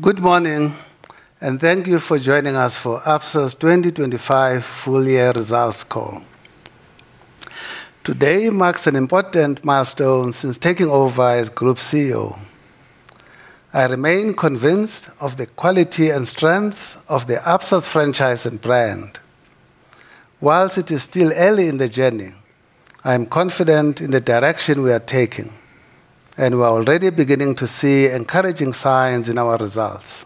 Good morning, and thank you for joining us for Absa's 2025 Full-Year Results Call. Today marks an important milestone since taking over as group CEO. I remain convinced of the quality and strength of the Absa's franchise and brand. While it is still early in the journey, I am confident in the direction we are taking, and we're already beginning to see encouraging signs in our results.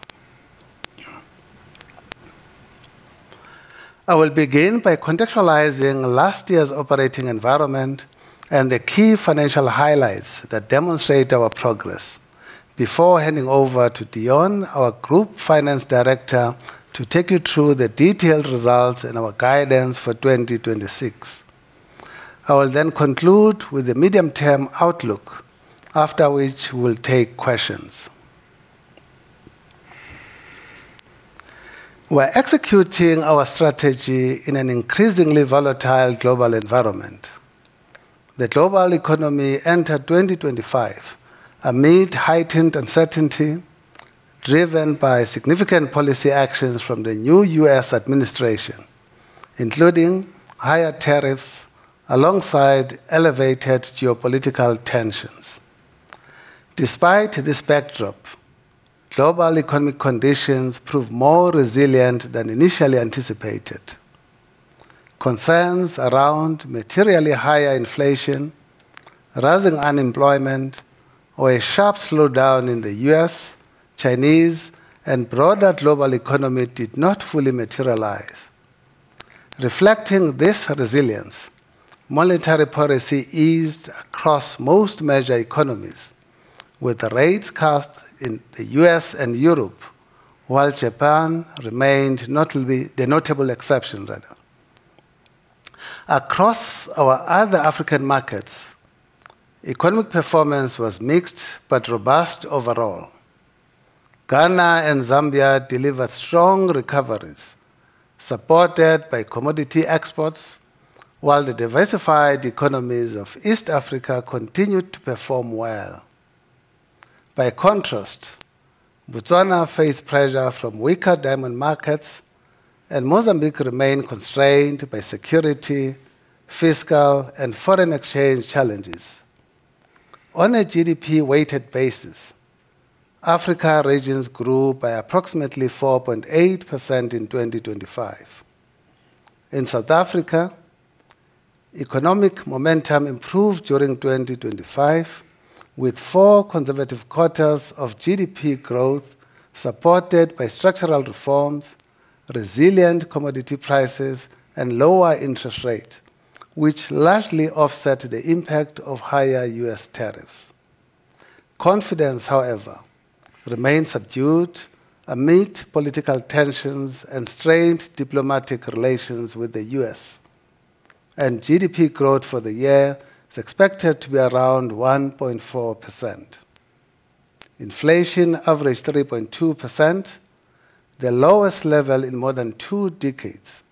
I will begin by contextualizing last year's operating environment and the key financial highlights that demonstrate our progress before handing over to Deon, our Group Financial Director, to take you through the detailed results and our guidance for 2026. I will then conclude with the medium-term outlook, after which we'll take questions. We're executing our strategy in an increasingly volatile global environment. The global economy entered 2025 amid heightened uncertainty, driven by significant policy actions from the new U.S. Administration, including higher tariffs alongside elevated geopolitical tensions. Despite this backdrop, global economic conditions proved more resilient than initially anticipated. Concerns around materially higher inflation, rising unemployment or a sharp slowdown in the U.S., Chinese, and broader global economy did not fully materialize. Reflecting this resilience, monetary policy eased across most major economies with the rate cuts in the U.S. And Europe, while Japan remained the notable exception. Across our other African markets, economic performance was mixed but robust overall. Ghana and Zambia delivered strong recoveries supported by commodity exports, while the diversified economies of East Africa continued to perform well. By contrast, Botswana faced pressure from weaker diamond markets and Mozambique remained constrained by security, fiscal, and foreign exchange challenges. On a GDP weighted basis, Africa regions grew by approximately 4.8% in 2025. In South Africa, economic momentum improved during 2025, with 4 consecutive quarters of GDP growth supported by structural reforms, resilient commodity prices and lower interest rate, which largely offset the impact of higher U.S. tariffs. Confidence, however, remains subdued amid political tensions and strained diplomatic relations with the U.S. GDP growth for the year is expected to be around 1.4%. Inflation averaged 3.2%, the lowest level in more than two decades,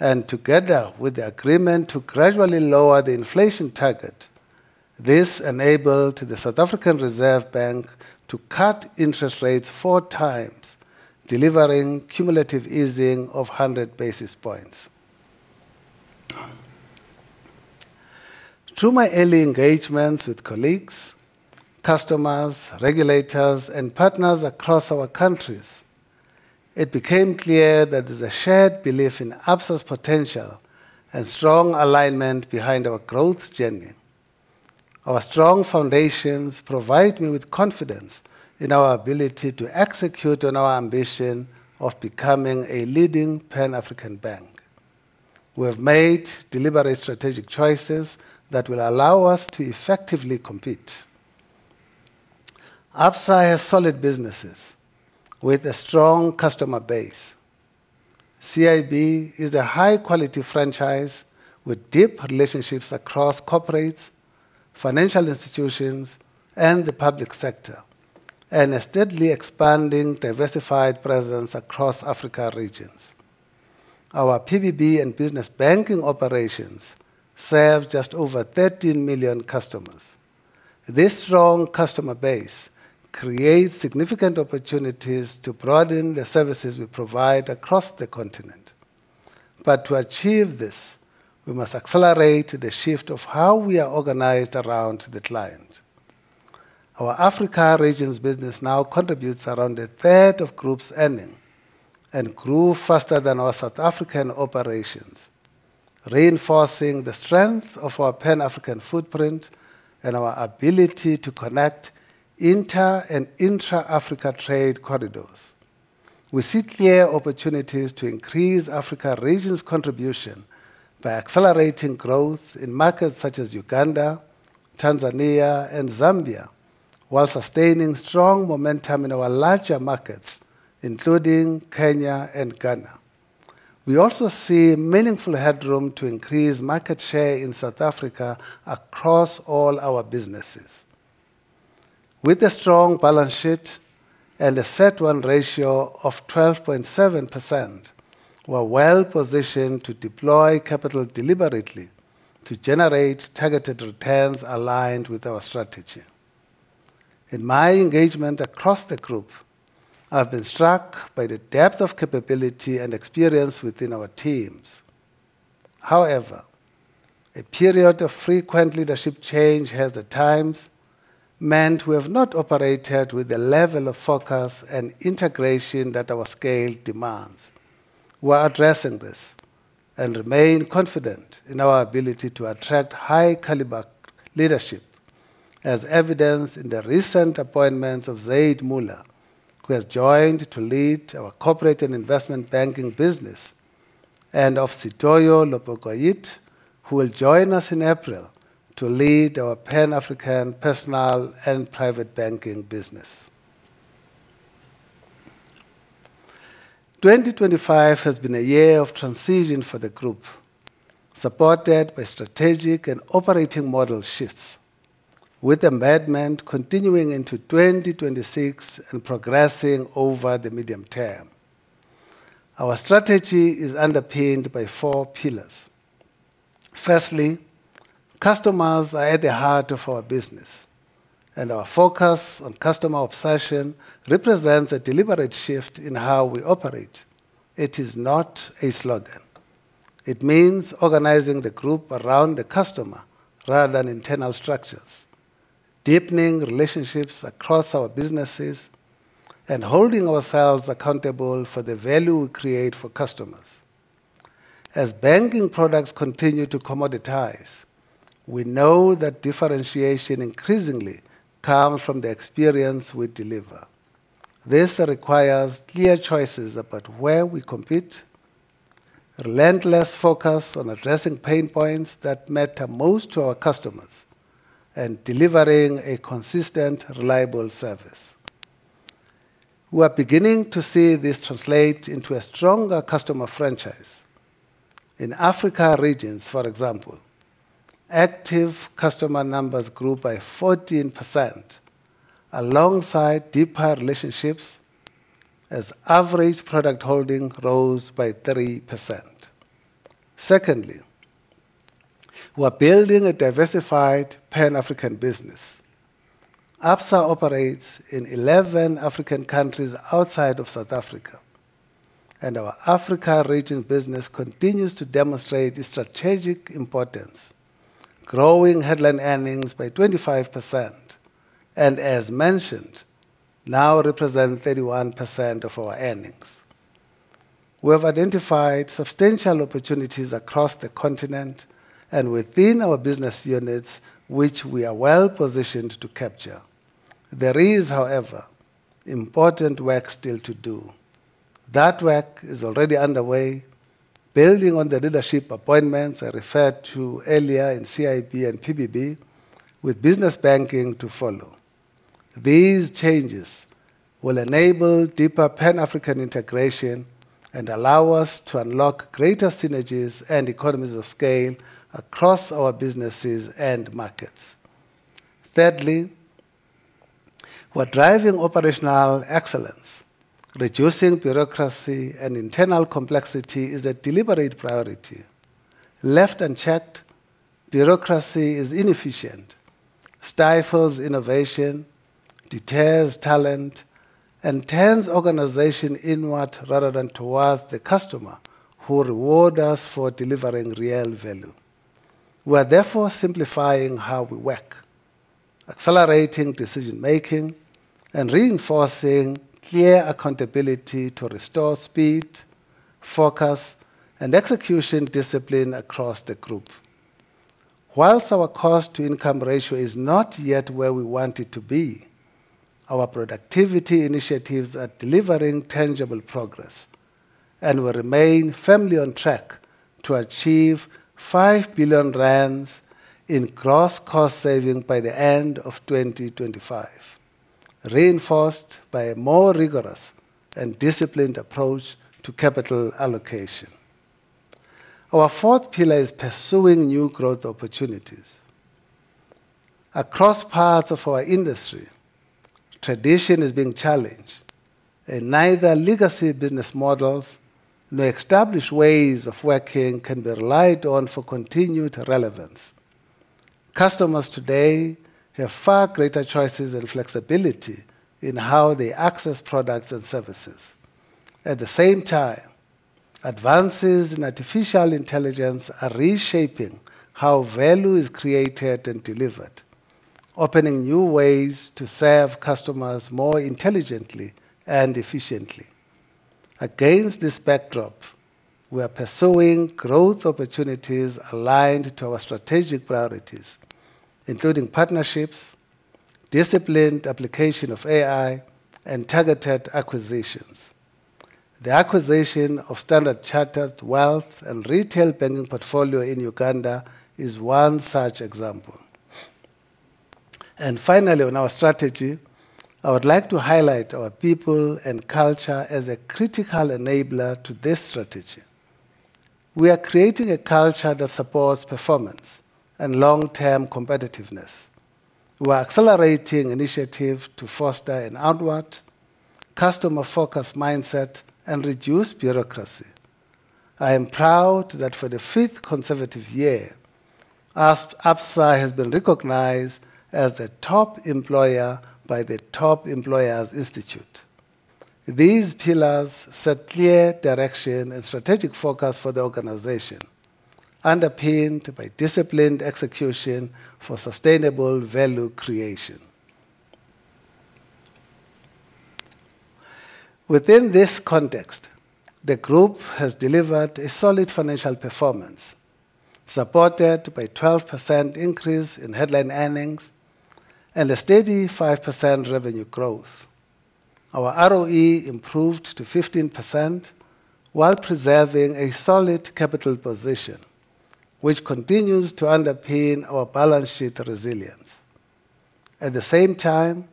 and together with the agreement to gradually lower the inflation target, this enabled the South African Reserve Bank to cut interest rates 4x, delivering cumulative easing of 100 basis points. Through my early engagements with colleagues, customers, regulators and partners across our countries, it became clear that there's a shared belief in Absa's potential and strong alignment behind our growth journey. Our strong foundations provide me with confidence in our ability to execute on our ambition of becoming a leading Pan-African bank. We have made deliberate strategic choices that will allow us to effectively compete. Absa has solid businesses with a strong customer base. CIB is a high quality franchise with deep relationships across corporates, financial institutions and the public sector, and a steadily expanding diversified presence across Africa Regions. Our PBB and Business Banking operations serve just over 13 million customers. This strong customer base creates significant opportunities to broaden the services we provide across the continent. To achieve this, we must accelerate the shift of how we are organized around the client. Our Africa Regions business now contributes around a third of Group's earnings and grew faster than our South African operations, reinforcing the strength of our Pan-African footprint and our ability to connect inter- and intra-Africa trade corridors. We see clear opportunities to increase Africa Regions' contribution by accelerating growth in markets such as Uganda, Tanzania and Zambia, while sustaining strong momentum in our larger markets, including Kenya and Ghana. We also see meaningful headroom to increase market share in South Africa across all our businesses. With a strong balance sheet and a CET1 ratio of 12.7%, we're well positioned to deploy capital deliberately to generate targeted returns aligned with our strategy. In my engagement across the group, I've been struck by the depth of capability and experience within our teams. However, a period of frequent leadership change has at times meant we have not operated with the level of focus and integration that our scale demands. We are addressing this and remain confident in our ability to attract high caliber leadership as evidenced in the recent appointments of Zaid Moola, who has joined to lead our Corporate and Investment Banking business, and of Sitoyo Lopokoiyit, who will join us in April to lead our Pan-African Personal and Private Banking business. 2025 has been a year of transition for the group, supported by strategic and operating model shifts, with embedment continuing into 2026 and progressing over the medium term. Our strategy is underpinned by four pillars. Firstly, customers are at the heart of our business, and our focus on customer obsession represents a deliberate shift in how we operate. It is not a slogan. It means organizing the group around the customer rather than internal structures, deepening relationships across our businesses, and holding ourselves accountable for the value we create for customers. As banking products continue to commoditize, we know that differentiation increasingly comes from the experience we deliver. This requires clear choices about where we compete, relentless focus on addressing pain points that matter most to our customers, and delivering a consistent, reliable service. We are beginning to see this translate into a stronger customer franchise. In Africa Regions, for example, active customer numbers grew by 14% alongside deeper relationships as average product holding rose by 3%. Secondly, we're building a diversified Pan-African business. Absa operates in 11 African countries outside of South Africa, and our Africa region business continues to demonstrate strategic importance, growing headline earnings by 25% and as mentioned, now represent 31% of our earnings. We have identified substantial opportunities across the continent and within our business units, which we are well-positioned to capture. There is, however, important work still to do. That work is already underway, building on the leadership appointments I referred to earlier in CIB and PBB with Business Banking to follow. These changes will enable deeper Pan-African integration and allow us to unlock greater synergies and economies of scale across our businesses and markets. Thirdly, we're driving operational excellence. Reducing bureaucracy and internal complexity is a deliberate priority. Left unchecked bureaucracy is inefficient, stifles innovation, deters talent, and turns organization inward rather than towards the customer who reward us for delivering real value. We are therefore simplifying how we work, accelerating decision making, and reinforcing clear accountability to restore speed, focus, and execution discipline across the group. While our cost-to-income ratio is not yet where we want it to be, our productivity initiatives are delivering tangible progress and will remain firmly on track to achieve 5 billion rand in gross cost saving by the end of 2025, reinforced by a more rigorous and disciplined approach to capital allocation. Our fourth pillar is pursuing new growth opportunities. Across parts of our industry tradition is being challenged, and neither legacy business models nor established ways of working can be relied on for continued relevance. Customers today have far greater choices and flexibility in how they access products and services. At the same time, advances in artificial intelligence are reshaping how value is created and delivered, opening new ways to serve customers more intelligently and efficiently. Against this backdrop, we are pursuing growth opportunities aligned to our strategic priorities, including partnerships, disciplined application of AI, and targeted acquisitions. The acquisition of Standard Chartered Wealth & Retail banking portfolio in Uganda is one such example. Finally, on our strategy, I would like to highlight our people and culture as a critical enabler to this strategy. We are creating a culture that supports performance and long-term competitiveness. We are accelerating initiatives to foster an outward customer focus mindset and reduce bureaucracy. I am proud that for the fifth consecutive year, Absa has been recognized as a top employer by the Top Employers Institute. These pillars set clear direction and strategic focus for the organization, underpinned by disciplined execution for sustainable value creation. Within this context, the group has delivered a solid financial performance, supported by 12% increase in headline earnings and a steady 5% revenue growth. Our ROE improved to 15% while preserving a solid capital position, which continues to underpin our balance sheet resilience. At the same time,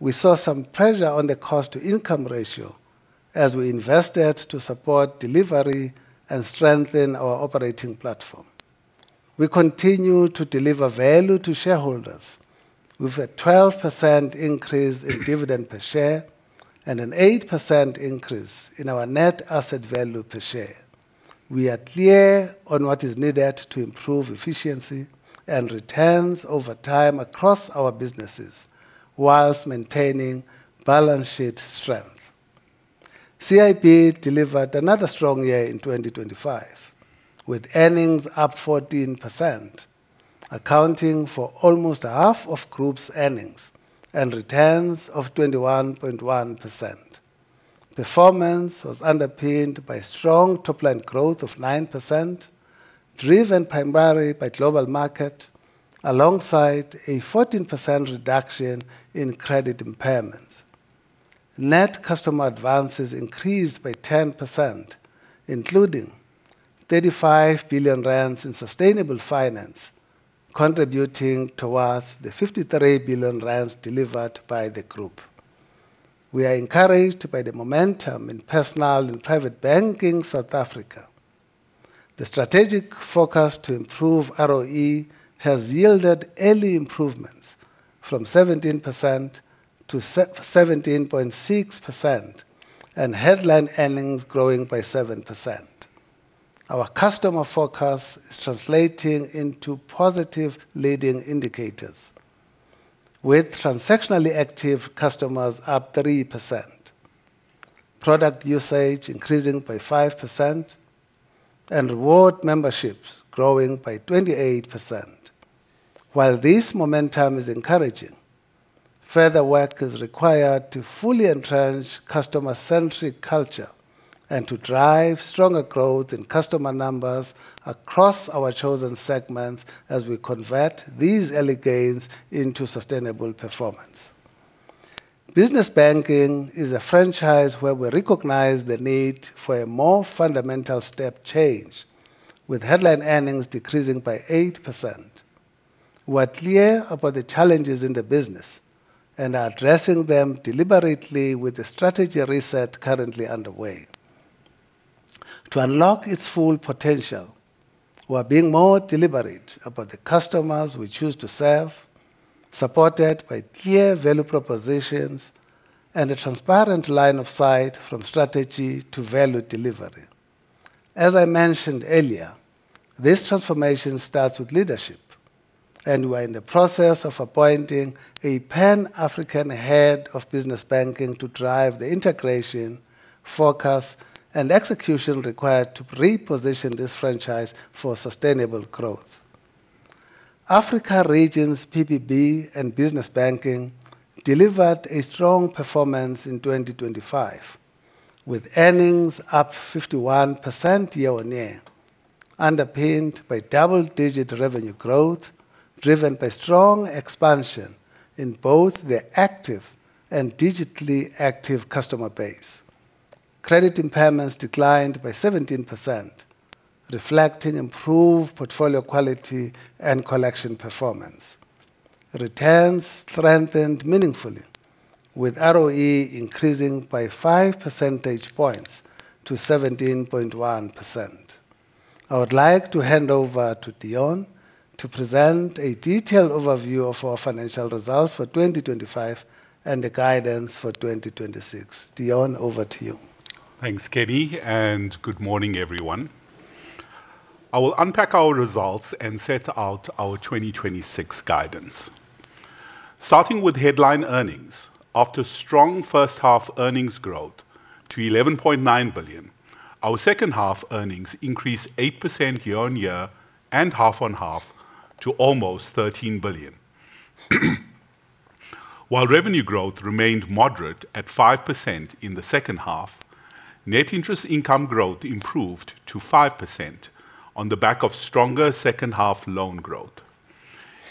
we saw some pressure on the cost-to-income ratio as we invested to support delivery and strengthen our operating platform. We continue to deliver value to shareholders with a 12% increase in dividend per share and an 8% increase in our net asset value per share. We are clear on what is needed to improve efficiency and returns over time across our businesses while maintaining balance sheet strength. CIB delivered another strong year in 2025, with earnings up 14%, accounting for almost half of Group's earnings and returns of 21.1%. Performance was underpinned by strong top line growth of 9% driven primarily by global market alongside a 14% reduction in credit impairments. Net customer advances increased by 10%, including 35 billion rand in sustainable finance, contributing towards the 53 billion rand delivered by the group. We are encouraged by the momentum in Personal and Private Banking South Africa. The strategic focus to improve ROE has yielded early improvements from 17%-17.6% and headline earnings growing by 7%. Our customer focus is translating into positive leading indicators with transactionally active customers up 3%, product usage increasing by 5% and reward memberships growing by 28%. While this momentum is encouraging, further work is required to fully entrench customer-centric culture and to drive stronger growth in customer numbers across our chosen segments as we convert these early gains into sustainable performance. Business Banking is a franchise where we recognize the need for a more fundamental step change with headline earnings decreasing by 8%. We're clear about the challenges in the business and are addressing them deliberately with the strategy reset currently underway. To unlock its full potential, we are being more deliberate about the customers we choose to serve, supported by clear value propositions and a transparent line of sight from strategy to value delivery. As I mentioned earlier, this transformation starts with leadership, and we are in the process of appointing a Pan-African head of Business Banking to drive the integration, focus, and execution required to reposition this franchise for sustainable growth. Africa region's PPB and Business Banking delivered a strong performance in 2025, with earnings up 51% year-on-year, underpinned by double-digit revenue growth driven by strong expansion in both the active and digitally active customer base. Credit impairments declined by 17%, reflecting improved portfolio quality and collection performance. Returns strengthened meaningfully with ROE increasing by 5 percentage points to 17.1%. I would like to hand over to Deon to present a detailed overview of our financial results for 2025 and the guidance for 2026. Deon, over to you. Thanks, Kenny, and good morning, everyone. I will unpack our results and set out our 2026 guidance. Starting with headline earnings. After strong first half earnings growth to 11.9 billion, our second half earnings increased 8% year-on-year and half-on-half to almost ZAR 13 billion. While revenue growth remained moderate at 5% in the second half, net interest income growth improved to 5% on the back of stronger second half loan growth.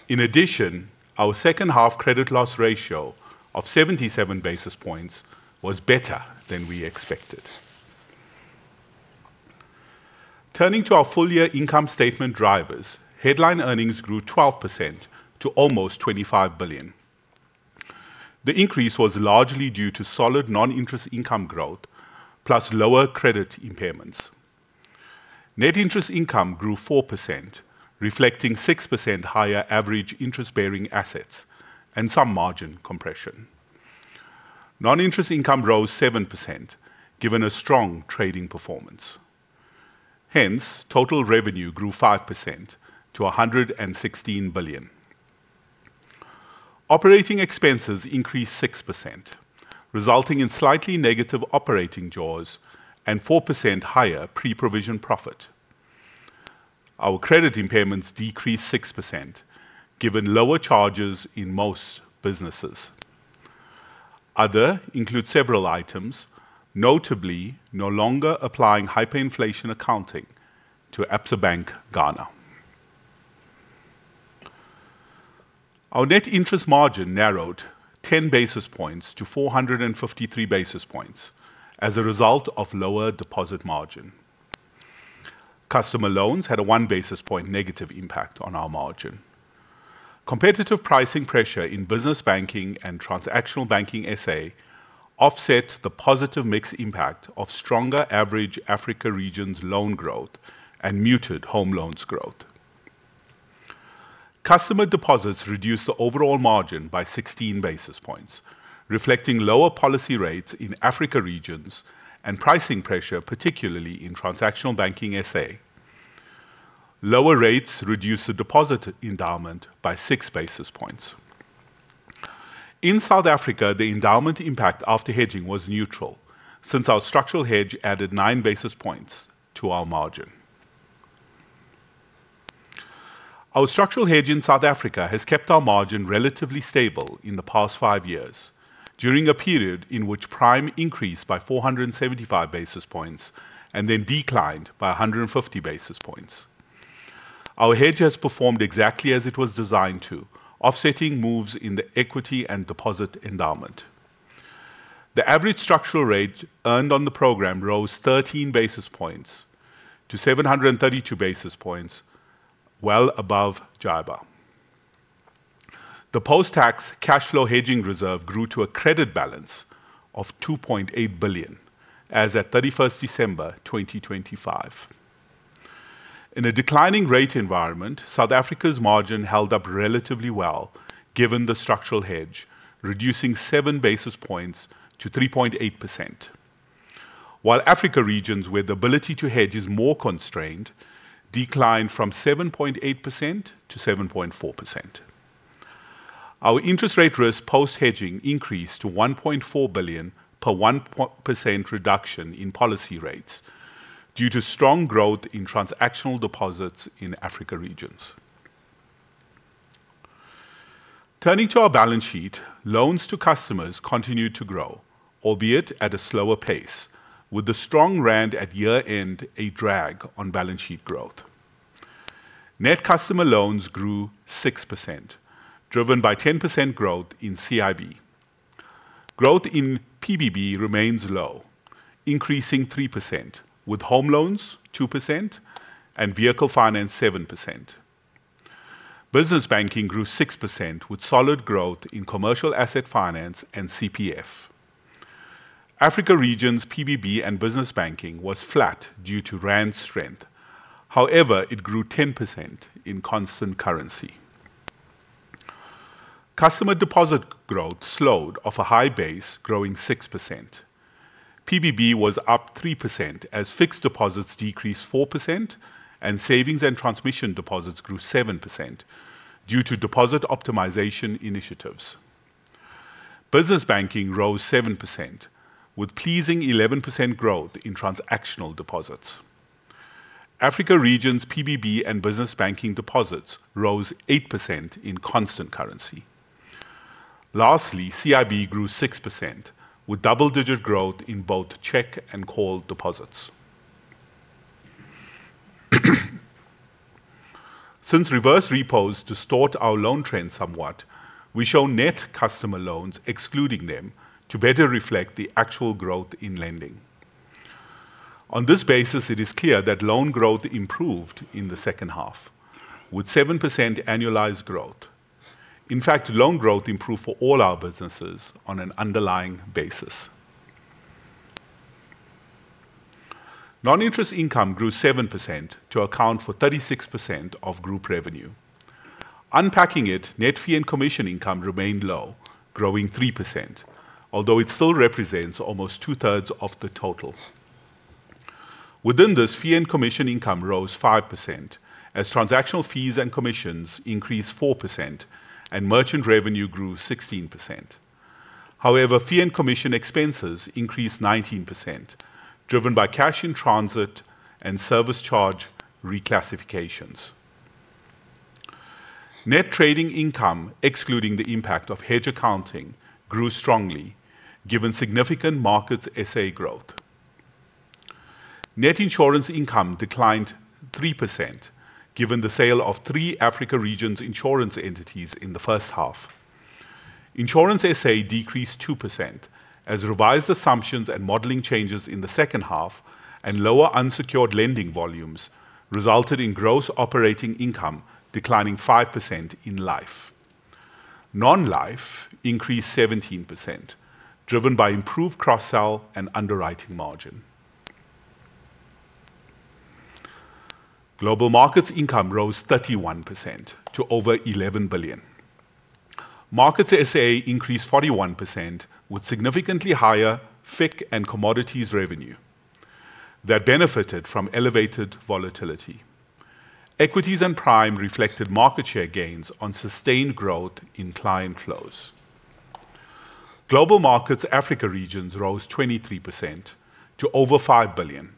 In addition, our second half credit loss ratio of 77 basis points was better than we expected. Turning to our full-year income statement drivers, headline earnings grew 12% to almost 25 billion. The increase was largely due to solid non-interest income growth plus lower credit impairments. Net interest income grew 4%, reflecting 6% higher average interest-bearing assets and some margin compression. Non-interest income rose 7% given a strong trading performance. Hence, total revenue grew 5% to 116 billion. Operating expenses increased 6%, resulting in slightly negative operating jaws and 4% higher pre-provision profit. Our credit impairments decreased 6% given lower charges in most businesses. Other items include several items, notably no longer applying hyperinflation accounting to Absa Bank Ghana. Our net interest margin narrowed 10 basis points to 453 basis points as a result of lower deposit margin. Customer loans had a 1 basis point negative impact on our margin. Competitive pricing pressure in Business Banking and Transactional Banking SA offset the positive mix impact of stronger average Africa regions loan growth and muted home loans growth. Customer deposits reduced the overall margin by 16 basis points, reflecting lower policy rates in Africa Regions and pricing pressure, particularly in Transactional Banking SA. Lower rates reduced the deposit endowment by 6 basis points. In South Africa, the endowment impact after hedging was neutral, since our structural hedge added 9 basis points to our margin. Our structural hedge in South Africa has kept our margin relatively stable in the past five years during a period in which Prime increased by 475 basis points and then declined by 150 basis points. Our hedge has performed exactly as it was designed to, offsetting moves in the equity and deposit endowment. The average structural rate earned on the program rose 13 basis points to 732 basis points, well above JIBAR. The post-tax cash flow hedging reserve grew to a credit balance of 2.8 billion as at 31 December 2025. In a declining rate environment, South Africa's margin held up relatively well given the structural hedge, reducing 7 basis points to 3.8%. While Africa Regions with ability to hedge is more constrained, declined from 7.8%-7.4%. Our interest rate risk post-hedging increased to 1.4 billion per 1% reduction in policy rates due to strong growth in Transactional deposits in Africa Regions. Turning to our balance sheet, loans to customers continued to grow, albeit at a slower pace, with the strong rand at year-end a drag on balance sheet growth. Net customer loans grew 6%, driven by 10% growth in CIB. Growth in PBB remains low, increasing 3%, with home loans 2% and vehicle finance 7%. Business Banking grew 6% with solid growth in Commercial Asset Finance and CPF. Africa regions PBB and Business Banking was flat due to rand strength. However, it grew 10% in constant currency. Customer deposit growth slowed off a high base growing 6%. PBB was up 3% as fixed deposits decreased 4% and savings and transmission deposits grew 7% due to deposit optimization initiatives. Business Banking rose 7% with pleasing 11% growth in Transactional deposits. Africa regions PBB and Business Banking deposits rose 8% in constant currency. Lastly, CIB grew 6% with double-digit growth in both check and call deposits. Since reverse repos distort our loan trend somewhat, we show net customer loans excluding them to better reflect the actual growth in Lending. On this basis, it is clear that loan growth improved in the second half with 7% annualized growth. In fact, loan growth improved for all our businesses on an underlying basis. Non-interest income grew 7% to account for 36% of group revenue. Unpacking it, net fee and commission income remained low, growing 3%, although it still represents almost two-thirds of the total. Within this, fee and commission income rose 5% as transactional fees and commissions increased 4% and merchant revenue grew 16%. However, fee and commission expenses increased 19%, driven by cash in transit and service charge reclassifications. Net trading income, excluding the impact of hedge accounting, grew strongly given significant markets SA growth. Net Insurance income declined 3% given the sale of three Africa regions insurance entities in the first half. Insurance SA decreased 2% as revised assumptions and modeling changes in the second half and lower unsecured Lending volumes resulted in gross operating income declining 5% in life. Non-life increased 17%, driven by improved cross-sell and underwriting margin. Global markets income rose 31% to over 11 billion. Markets SA increased 41% with significantly higher FIC and commodities revenue that benefited from elevated volatility. Equities and prime reflected market share gains on sustained growth in client flows. Global markets Africa regions rose 23% to over 5 billion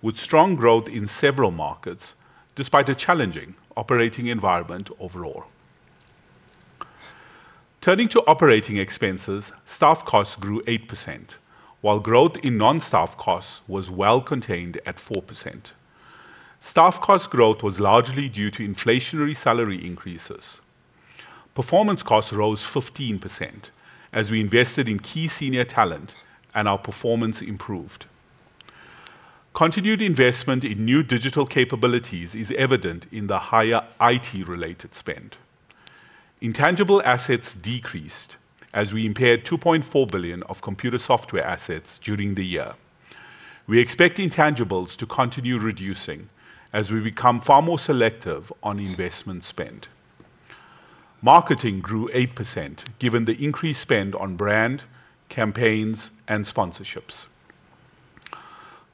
with strong growth in several markets despite a challenging operating environment overall. Turning to operating expenses, staff costs grew 8% while growth in non-staff costs was well contained at 4%. Staff cost growth was largely due to inflationary salary increases. Performance costs rose 15% as we invested in key senior talent and our performance improved. Continued investment in new digital capabilities is evident in the higher IT related spend. Intangible assets decreased as we impaired 2.4 billion of computer software assets during the year. We expect intangibles to continue reducing as we become far more selective on investment spend. Marketing grew 8% given the increased spend on brand, campaigns and sponsorships.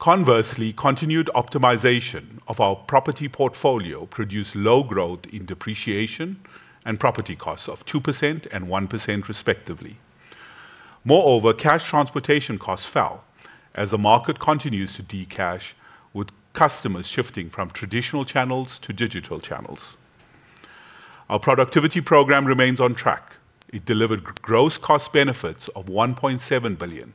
Conversely, continued optimization of our property portfolio produced low growth in depreciation and property costs of 2% and 1% respectively. Moreover, cash transportation costs fell as the market continues to decash with customers shifting from traditional channels to digital channels. Our productivity program remains on track. It delivered gross cost benefits of 1.7 billion,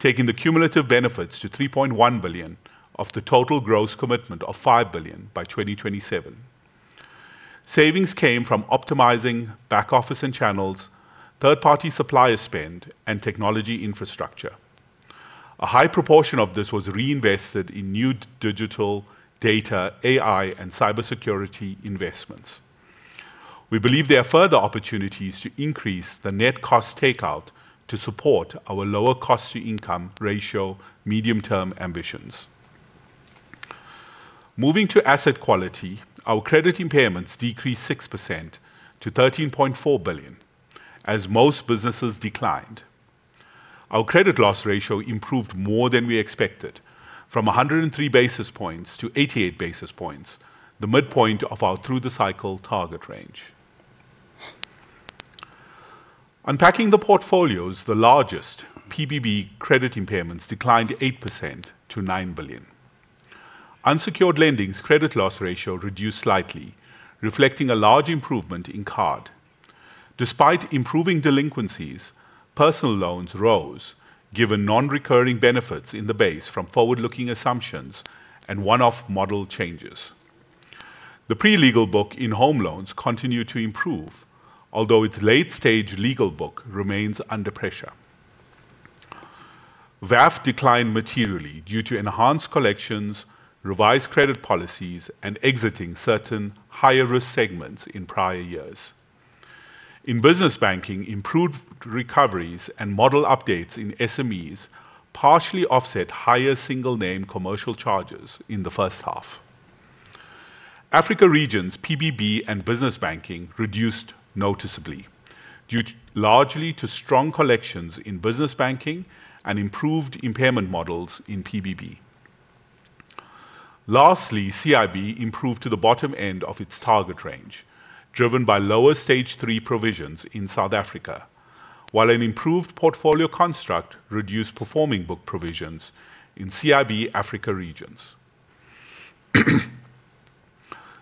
taking the cumulative benefits to 3.1 billion of the total gross commitment of 5 billion by 2027. Savings came from optimizing back office and channels, third party supplier spend and technology infrastructure. A high proportion of this was reinvested in new digital data, AI and cybersecurity investments. We believe there are further opportunities to increase the net cost takeout to support our lower cost to income ratio medium-term ambitions. Moving to asset quality, our credit impairments decreased 6% to 13.4 billion as most businesses declined. Our credit loss ratio improved more than we expected from 103 basis points to 88 basis points, the midpoint of our through the cycle target range. Unpacking the portfolios, the largest PBB credit impairments declined 8% to 9 billion. Unsecured Lendings credit loss ratio reduced slightly, reflecting a large improvement in card. Despite improving delinquencies, personal loans rose given non-recurring benefits in the base from forward-looking assumptions and one-off model changes. The pre-legal book in home loans continued to improve, although its late stage legal book remains under pressure. VAF declined materially due to enhanced collections, revised credit policies and exiting certain higher risk segments in prior years. In Business Banking, improved recoveries and model updates in SMEs partially offset higher single name commercial charges in the first half. Africa Regions PBB and Business Banking reduced noticeably due largely to strong collections in Business Banking and improved impairment models in PBB. Lastly, CIB improved to the bottom end of its target range, driven by lower stage three provisions in South Africa, while an improved portfolio construct reduced performing book provisions in CIB Africa Regions.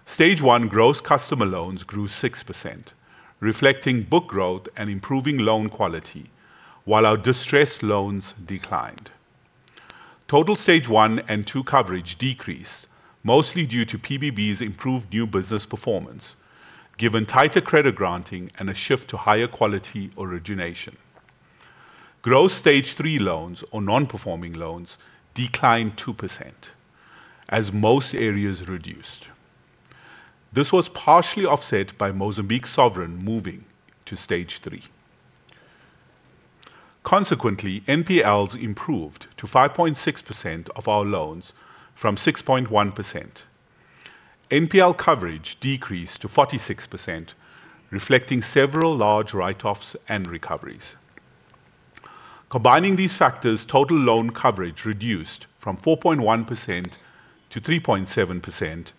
Stage one gross customer loans grew 6%, reflecting book growth and improving loan quality while our distressed loans declined. Total stage one and two coverage decreased mostly due to PBB's improved new business performance given tighter credit granting and a shift to higher quality origination. Gross stage three loans or non-performing loans declined 2% as most areas reduced. This was partially offset by Mozambique Sovereign moving to stage three. Consequently, NPLs improved to 5.6% of our loans from 6.1%. NPL coverage decreased to 46%, reflecting several large write-offs and recoveries. Combining these factors, total loan coverage reduced from 4.1% to 3.7%,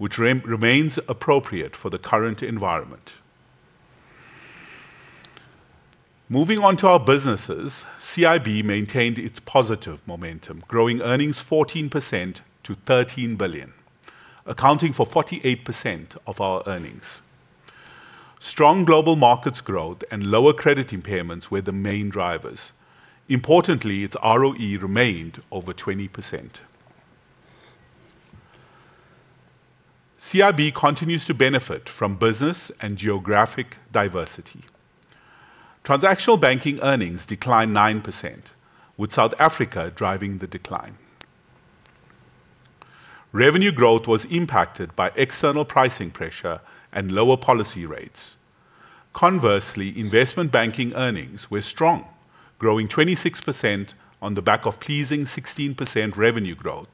which remains appropriate for the current environment. Moving on to our businesses, CIB maintained its positive momentum, growing earnings 14% to 13 billion, accounting for 48% of our earnings. Strong global markets growth and lower credit impairments were the main drivers. Importantly, its ROE remained over 20%. CIB continues to benefit from business and geographic diversity. Transactional Banking earnings declined 9%, with South Africa driving the decline. Revenue growth was impacted by external pricing pressure and lower policy rates. Conversely, investment banking earnings were strong, growing 26% on the back of pleasing 16% revenue growth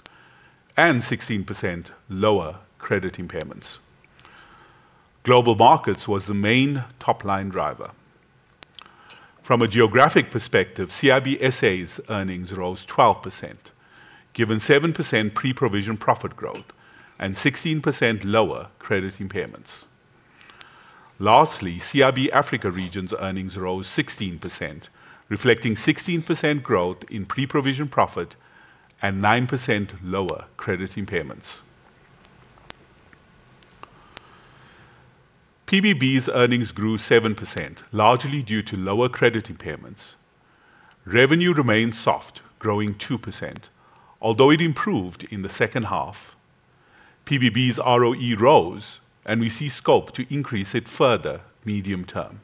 and 16% lower credit impairments. Global markets was the main top-line driver. From a geographic perspective, CIB SA's earnings rose 12% given 7% pre-provision profit growth and 16% lower credit impairments. Lastly, CIB Africa regions earnings rose 16% reflecting 16% growth in pre-provision profit and 9% lower credit impairments. PBB's earnings grew 7%, largely due to lower credit impairments. Revenue remained soft, growing 2%, although it improved in the second half. PBB's ROE rose, and we see scope to increase it further medium term.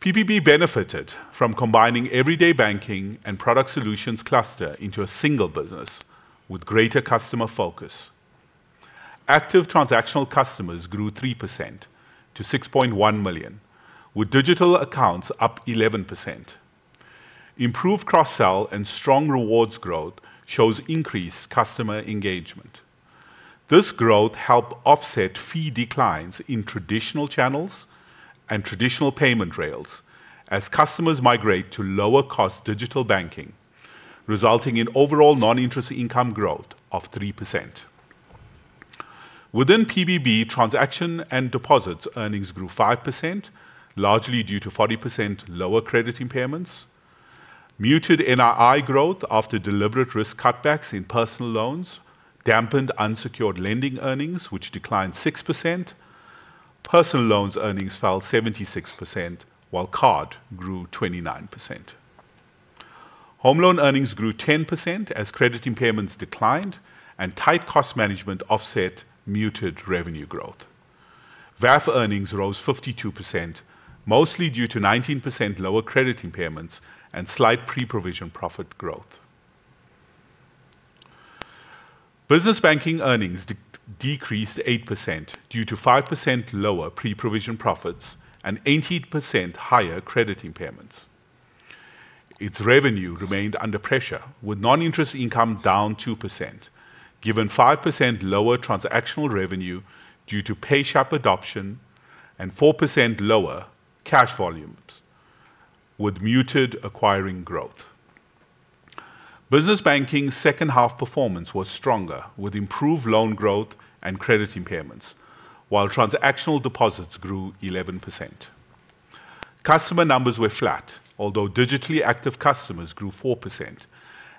PBB benefited from combining everyday banking and product solutions cluster into a single business with greater customer focus. Active Transactional customers grew 3% to 6.1 million, with digital accounts up 11%. Improved cross-sell and strong rewards growth shows increased customer engagement. This growth help offset fee declines in traditional channels and traditional payment rails as customers migrate to lower cost digital banking, resulting in overall non-interest income growth of 3%. Within PBB, transaction and deposits earnings grew 5%, largely due to 40% lower credit impairments, muted NII growth after deliberate risk cutbacks in personal loans dampened unsecured lending earnings, which declined 6%. Personal loans earnings fell 76%, while card grew 29%. Home loan earnings grew 10% as credit impairments declined and tight cost management offset muted revenue growth. VAF earnings rose 52%, mostly due to 19% lower credit impairments and slight pre-provision profit growth. Business Banking earnings decreased 8% due to 5% lower pre-provision profits and 18% higher credit impairments. Its revenue remained under pressure, with non-interest income down 2% given 5% lower Transactional revenue due to PayShap adoption and 4% lower cash volumes with muted acquiring growth. Business Banking's second half performance was stronger with improved loan growth and credit impairments while Transactional deposits grew 11%. Customer numbers were flat, although digitally active customers grew 4%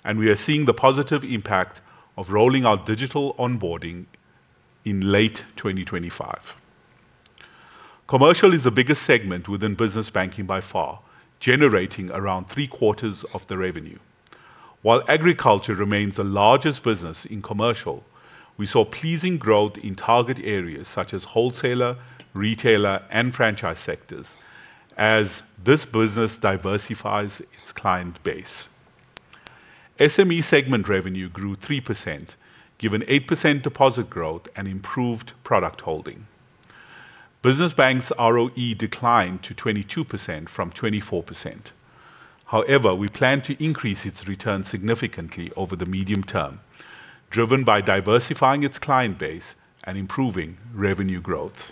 and we are seeing the positive impact of rolling out digital onboarding in late 2025. Commercial is the biggest segment within Business Banking by far, generating around 3/4 of the revenue. While agriculture remains the largest business in commercial, we saw pleasing growth in target areas such as wholesaler, retailer, and franchise sectors as this business diversifies its client base. SME segment revenue grew 3% given 8% deposit growth and improved product holding. Business Banking's ROE declined to 22% from 24%. However, we plan to increase its return significantly over the medium term, driven by diversifying its client base and improving revenue growth.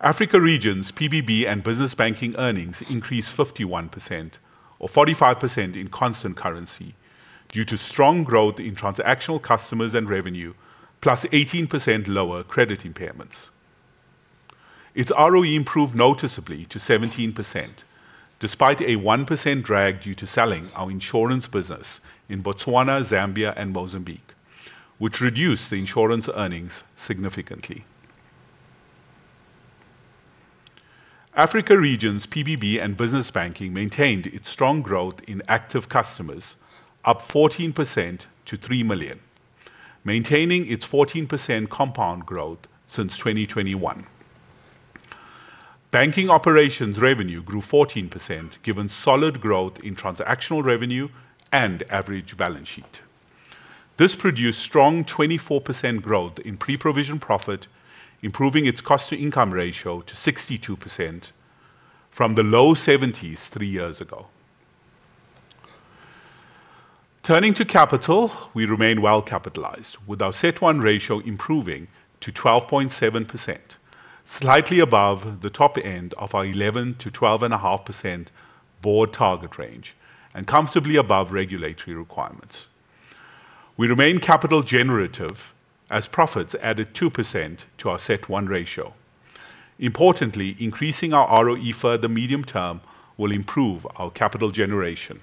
Africa Regions PBB and Business Banking earnings increased 51% or 45% in constant currency due to strong growth in Transactional customers and revenue, plus 18% lower credit impairments. Its ROE improved noticeably to 17% despite a 1% drag due to selling our Insurance business in Botswana, Zambia, and Mozambique, which reduced the Insurance earnings significantly. Africa region's PBB and Business Banking maintained its strong growth in active customers, up 14% to 3 million, maintaining its 14% compound growth since 2021. Banking operations revenue grew 14% given solid growth in Transactional revenue and average balance sheet. This produced strong 24% growth in pre-provision profit, improving its cost to income ratio to 62% from the low 70s three years ago. Turning to capital, we remain well capitalized with our CET1 ratio improving to 12.7%, slightly above the top end of our 11%-12.5% board target range and comfortably above regulatory requirements. We remain capital generative as profits added 2% to our CET1 ratio. Importantly, increasing our ROE further medium term will improve our capital generation.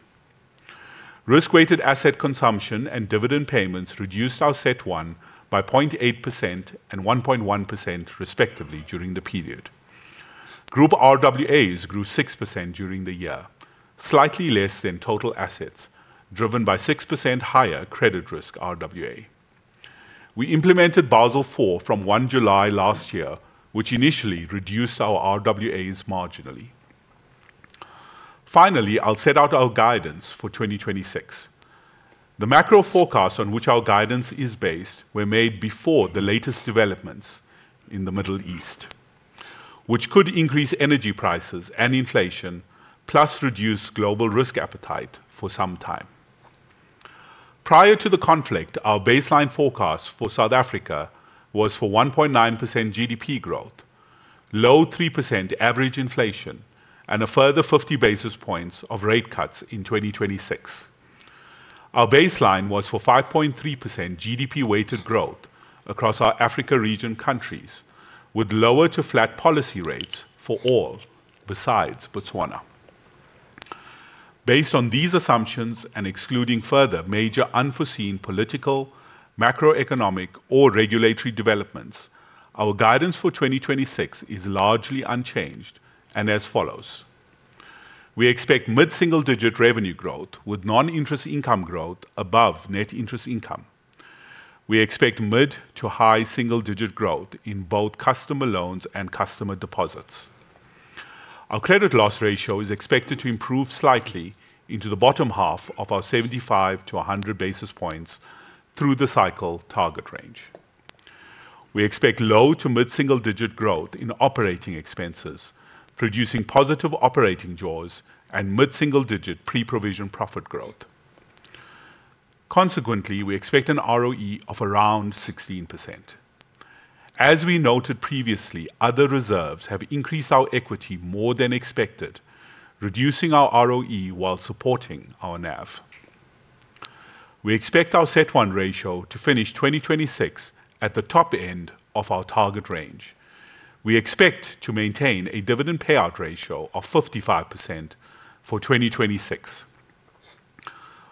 Risk-weighted asset consumption and dividend payments reduced our CET1 by 0.8% and 1.1% respectively during the period. Group RWAs grew 6% during the year, slightly less than total assets driven by 6% higher credit risk RWA. We implemented Basel IV from 1 July last year, which initially reduced our RWAs marginally. Finally, I'll set out our guidance for 2026. The macro forecasts on which our guidance is based were made before the latest developments in the Middle East, which could increase energy prices and inflation, plus reduce global risk appetite for some time. Prior to the conflict, our baseline forecast for South Africa was for 1.9% GDP growth, low 3% average inflation, and a further 50 basis points of rate cuts in 2026. Our baseline was for 5.3% GDP-weighted growth across our Africa region countries with lower to flat policy rates for all besides Botswana. Based on these assumptions and excluding further major unforeseen political, macroeconomic, or regulatory developments, our guidance for 2026 is largely unchanged and as follows. We expect mid-single-digit revenue growth with non-interest income growth above net interest income. We expect mid- to high single-digit growth in both customer loans and customer deposits. Our credit loss ratio is expected to improve slightly into the bottom half of our 75-100 basis points through-the-cycle target range. We expect low- to mid-single-digit growth in operating expenses, producing positive operating jaws and mid-single-digit pre-provision profit growth. Consequently, we expect an ROE of around 16%. As we noted previously, other reserves have increased our equity more than expected, reducing our ROE while supporting our NAV. We expect our CET1 ratio to finish 2026 at the top end of our target range. We expect to maintain a dividend payout ratio of 55% for 2026.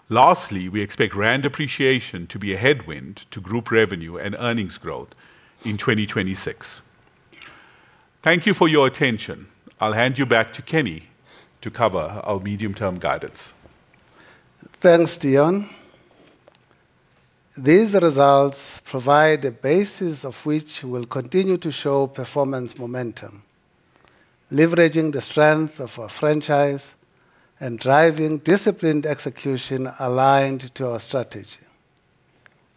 Lastly, we expect rand appreciation to be a headwind to group revenue and earnings growth in 2026. Thank you for your attention. I'll hand you back to Kenny to cover our medium-term guidance. Thanks, Deon. These results provide the basis of which we'll continue to show performance momentum, leveraging the strength of our franchise and driving disciplined execution aligned to our strategy.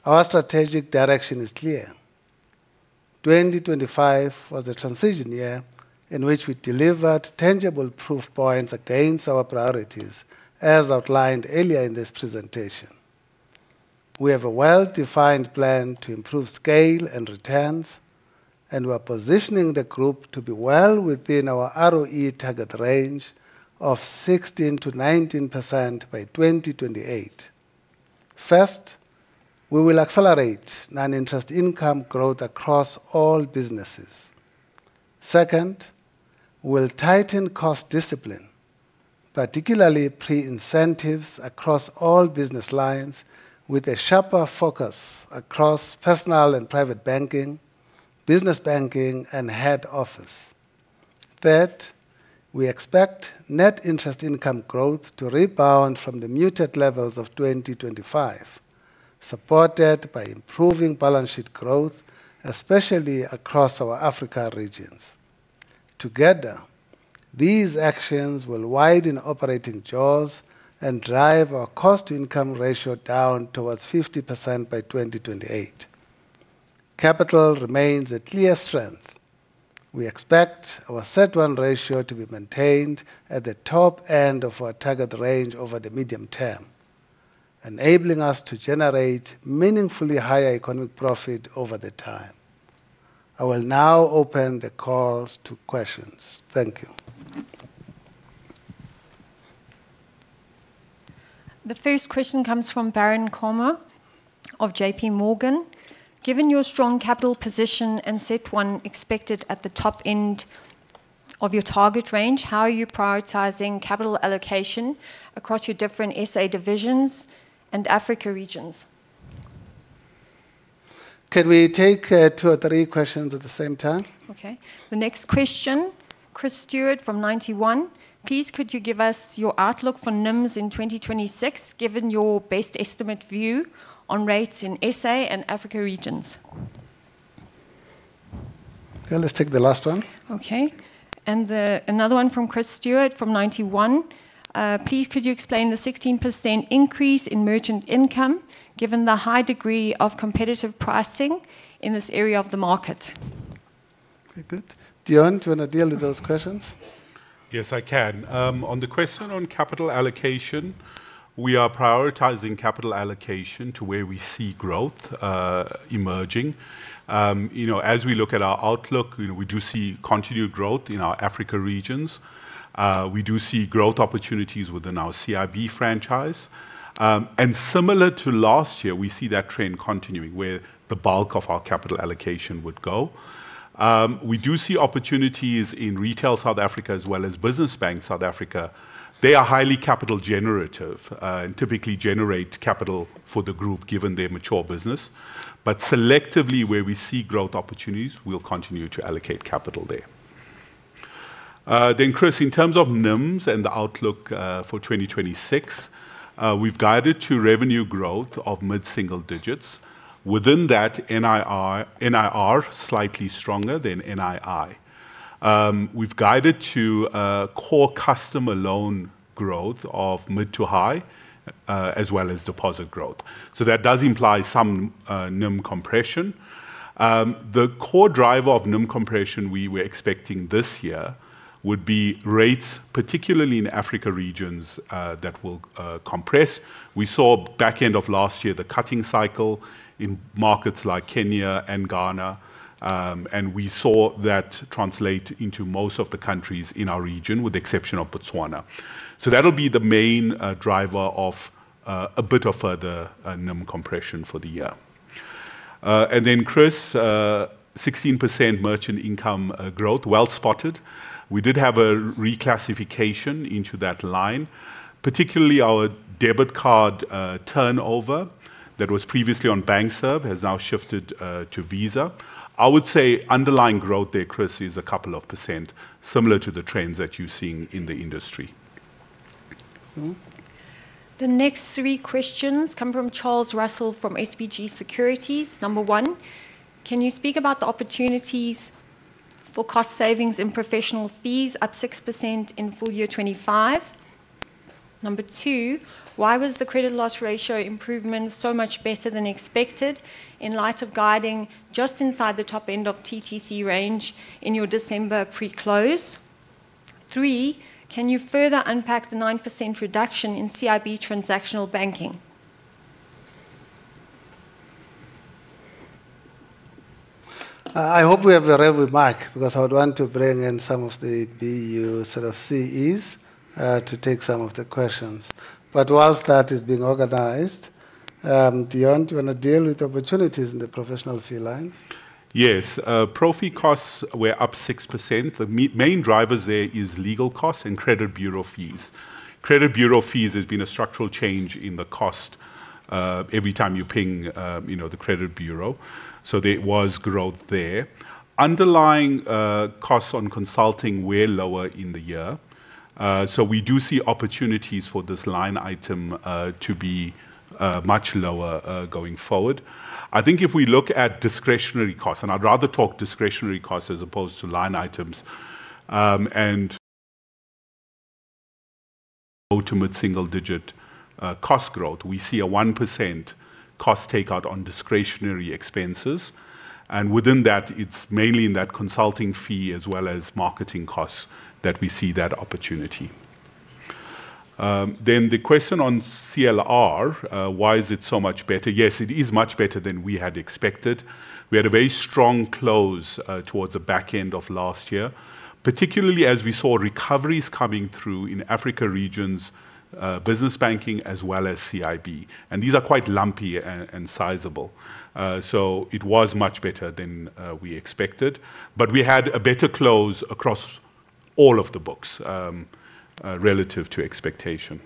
Our strategic direction is clear. 2025 was a transition year in which we delivered tangible proof points against our priorities, as outlined earlier in this presentation. We have a well-defined plan to improve scale and returns, and we're positioning the group to be well within our ROE target range of 16%-19% by 2028. First, we will accelerate non-interest income growth across all businesses. Second, we'll tighten cost discipline, particularly pre-incentives across all business lines with a sharper focus across Personal and Private Banking, Business Banking, and Head Office. Third, we expect net interest income growth to rebound from the muted levels of 2025, supported by improving balance sheet growth, especially across our Africa regions. Together, these actions will widen operating jaws and drive our cost-to-income ratio down towards 50% by 2028. Capital remains a clear strength. We expect our CET1 ratio to be maintained at the top end of our target range over the medium term, enabling us to generate meaningfully higher economic profit over the time. I will now open the calls to questions. Thank you. The first question comes from Baron Nkomo of JPMorgan. Given your strong capital position and CET1 expected at the top end of your target range, how are you prioritizing capital allocation across your different SA divisions and Africa regions? Can we take two or three questions at the same time? Okay. The next question, Chris Steward from Ninety One. Please could you give us your outlook for NIMS in 2026, given your best estimate view on rates in SA and Africa regions? Yeah, let's take the last one. Okay. Another one from Chris Steward from Ninety One. Please could you explain the 16% increase in merchant income given the high degree of competitive pricing in this area of the market? Very good. Deon, do you wanna deal with those questions? Yes, I can. On the question on capital allocation, we are prioritizing capital allocation to where we see growth emerging. You know, as we look at our outlook, you know, we do see continued growth in our Africa Regions. We do see growth opportunities within our CIB franchise. And similar to last year, we see that trend continuing, where the bulk of our capital allocation would go. We do see opportunities in retail South Africa as well as business bank South Africa. They are highly capital generative and typically generate capital for the group given their mature business. Selectively where we see growth opportunities, we'll continue to allocate capital there. Chris, in terms of NIMs and the outlook for 2026, we've guided to revenue growth of mid-single digits. Within that, NIR slightly stronger than NII. We've guided to core customer loan growth of mid to high, as well as deposit growth. That does imply some NIM compression. The core driver of NIM compression we were expecting this year would be rates, particularly in Africa Regions, that will compress. We saw back end of last year the cutting cycle in markets like Kenya and Ghana, and we saw that translate into most of the countries in our region, with the exception of Botswana. That'll be the main driver of a bit of further NIM compression for the year. Chris, 16% merchant income growth, well spotted. We did have a reclassification into that line, particularly our debit card turnover that was previously on Bankserv has now shifted to Visa. I would say underlying growth there, Chris, is a couple of % similar to the trends that you're seeing in the industry. The next three questions come from Charles Russell from SBG Securities. One, can you speak about the opportunities for cost savings in professional fees up 6% in full-year 2025? Two, why was the credit loss ratio improvement so much better than expected in light of guiding just inside the top end of TTC range in your December pre-close? Three, can you further unpack the 9% reduction in CIB Transactional Banking? I hope we have the roving mic because I would want to bring in some of the BU sort of CEs to take some of the questions. While that is being organized, Deon, do you wanna deal with opportunities in the professional fee line? Yes. Pro fee costs were up 6%. The main drivers there is legal costs and credit bureau fees. Credit bureau fees has been a structural change in the cost, every time you ping, you know, the credit bureau. So there was growth there. Underlying costs on consulting were lower in the year. So we do see opportunities for this line item to be much lower going forward. I think if we look at discretionary costs, and I'd rather talk discretionary costs as opposed to line items, and ultimate single digit cost growth. We see a 1% cost takeout on discretionary expenses, and within that it's mainly in that consulting fee as well as marketing costs that we see that opportunity. The question on CLR. Why is it so much better? Yes, it is much better than we had expected. We had a very strong close towards the back end of last year. Particularly as we saw recoveries coming through in Africa regions, Business Banking as well as CIB, and these are quite lumpy and sizable. It was much better than we expected. We had a better close across all of the books relative to expectation.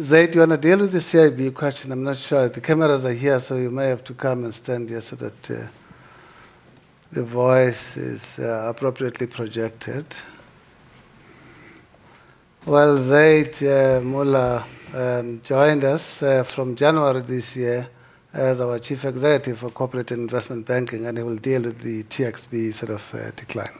Zaid, do you wanna deal with the CIB question? I'm not sure. The cameras are here, so you may have to come and stand here so that the voice is appropriately projected. Well, Zaid Moola joined us from January this year as our Chief Executive for Corporate and Investment Banking, and he will deal with the TXB sort of decline.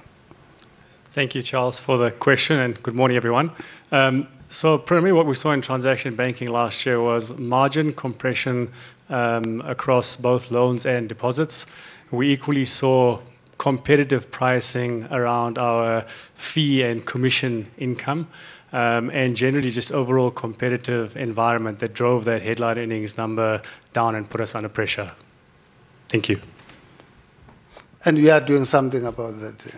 Thank you, Charles, for the question, and good morning, everyone. Primarily what we saw in Transactional Banking last year was margin compression, across both loans and deposits. We equally saw competitive pricing around our fee and commission income, and generally just overall competitive environment that drove that headline earnings number down and put us under pressure. Thank you. We are doing something about that, yeah.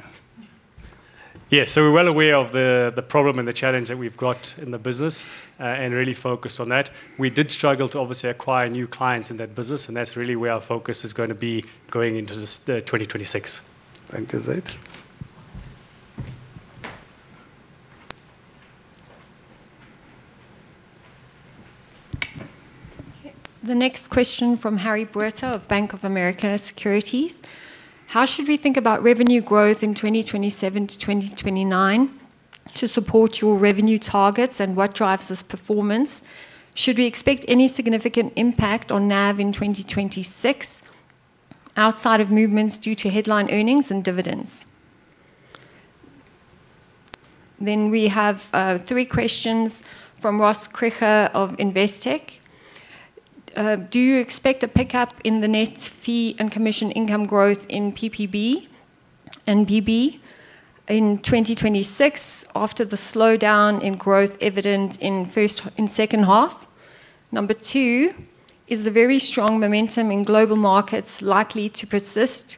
Yes. We're well aware of the problem and the challenge that we've got in the business, and really focused on that. We did struggle to obviously acquire new clients in that business, and that's really where our focus is gonna be going into this 2026. Thank you, Zaid. Okay. The next question from Harry Botha of Bank of America Securities. How should we think about revenue growth in 2027-2029 to support your revenue targets, and what drives this performance? Should we expect any significant impact on NAV in 2026 outside of movements due to headline earnings and dividends? We have three questions from Ross Krige of Investec. Do you expect a pickup in the net fee and commission income growth in PPB and BB in 2026 after the slowdown in growth evident in the first half, in the second half? Number two, is the very strong momentum in global markets likely to persist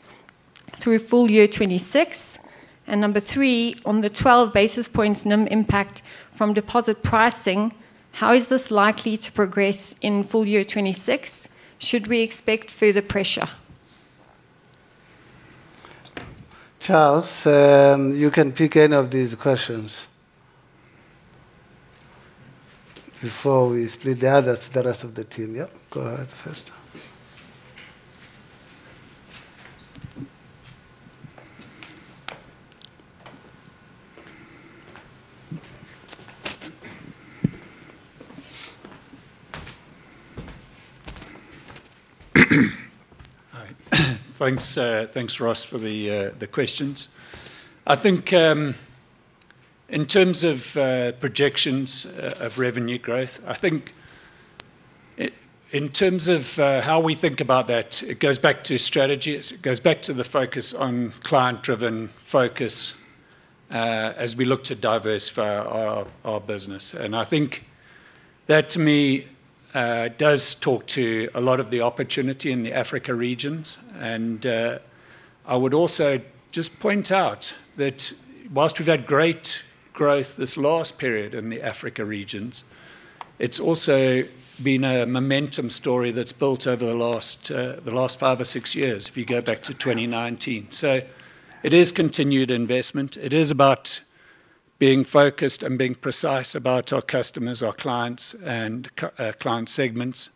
through full-year 2026? And number three, on the 12 basis points NIM impact from deposit pricing, how is this likely to progress in full year 2026? Should we expect further pressure? Charles, you can pick any of these questions. Before we split the others to the rest of the team. Yep, go ahead first. Hi. Thanks, Ross, for the questions. I think in terms of projections of revenue growth, I think in terms of how we think about that, it goes back to strategy. It goes back to the focus on client-driven focus as we look to diversify our business. I think that to me does talk to a lot of the opportunity in the Africa regions. I would also just point out that while we've had great growth this last period in the Africa regions, it's also been a momentum story that's built over the last five or six years if you go back to 2019. It is continued investment. It is about being focused and being precise about our customers, our clients, and client segments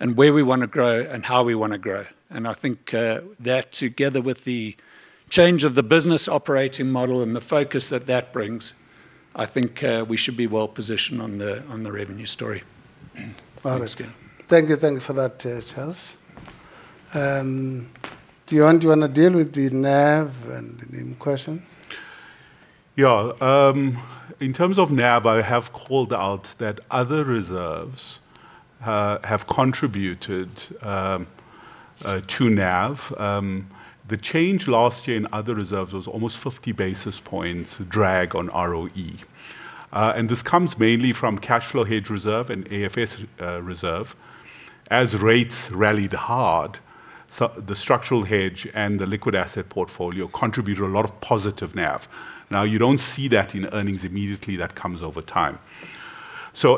and where we wanna grow and how we wanna grow. I think that together with the change of the business operating model and the focus that that brings, I think we should be well positioned on the revenue story. Thanks. Got it. Thank you. Thank you for that, Charles. Deon do you wanna deal with the NAV and the question? Yeah. In terms of NAV, I have called out that other reserves have contributed to NAV. The change last year in other reserves was almost 50 basis points drag on ROE. This comes mainly from cash flow hedge reserve and AFS reserve. As rates rallied hard, the structural hedge and the liquid asset portfolio contributed a lot of positive NAV. Now you don't see that in earnings immediately. That comes over time.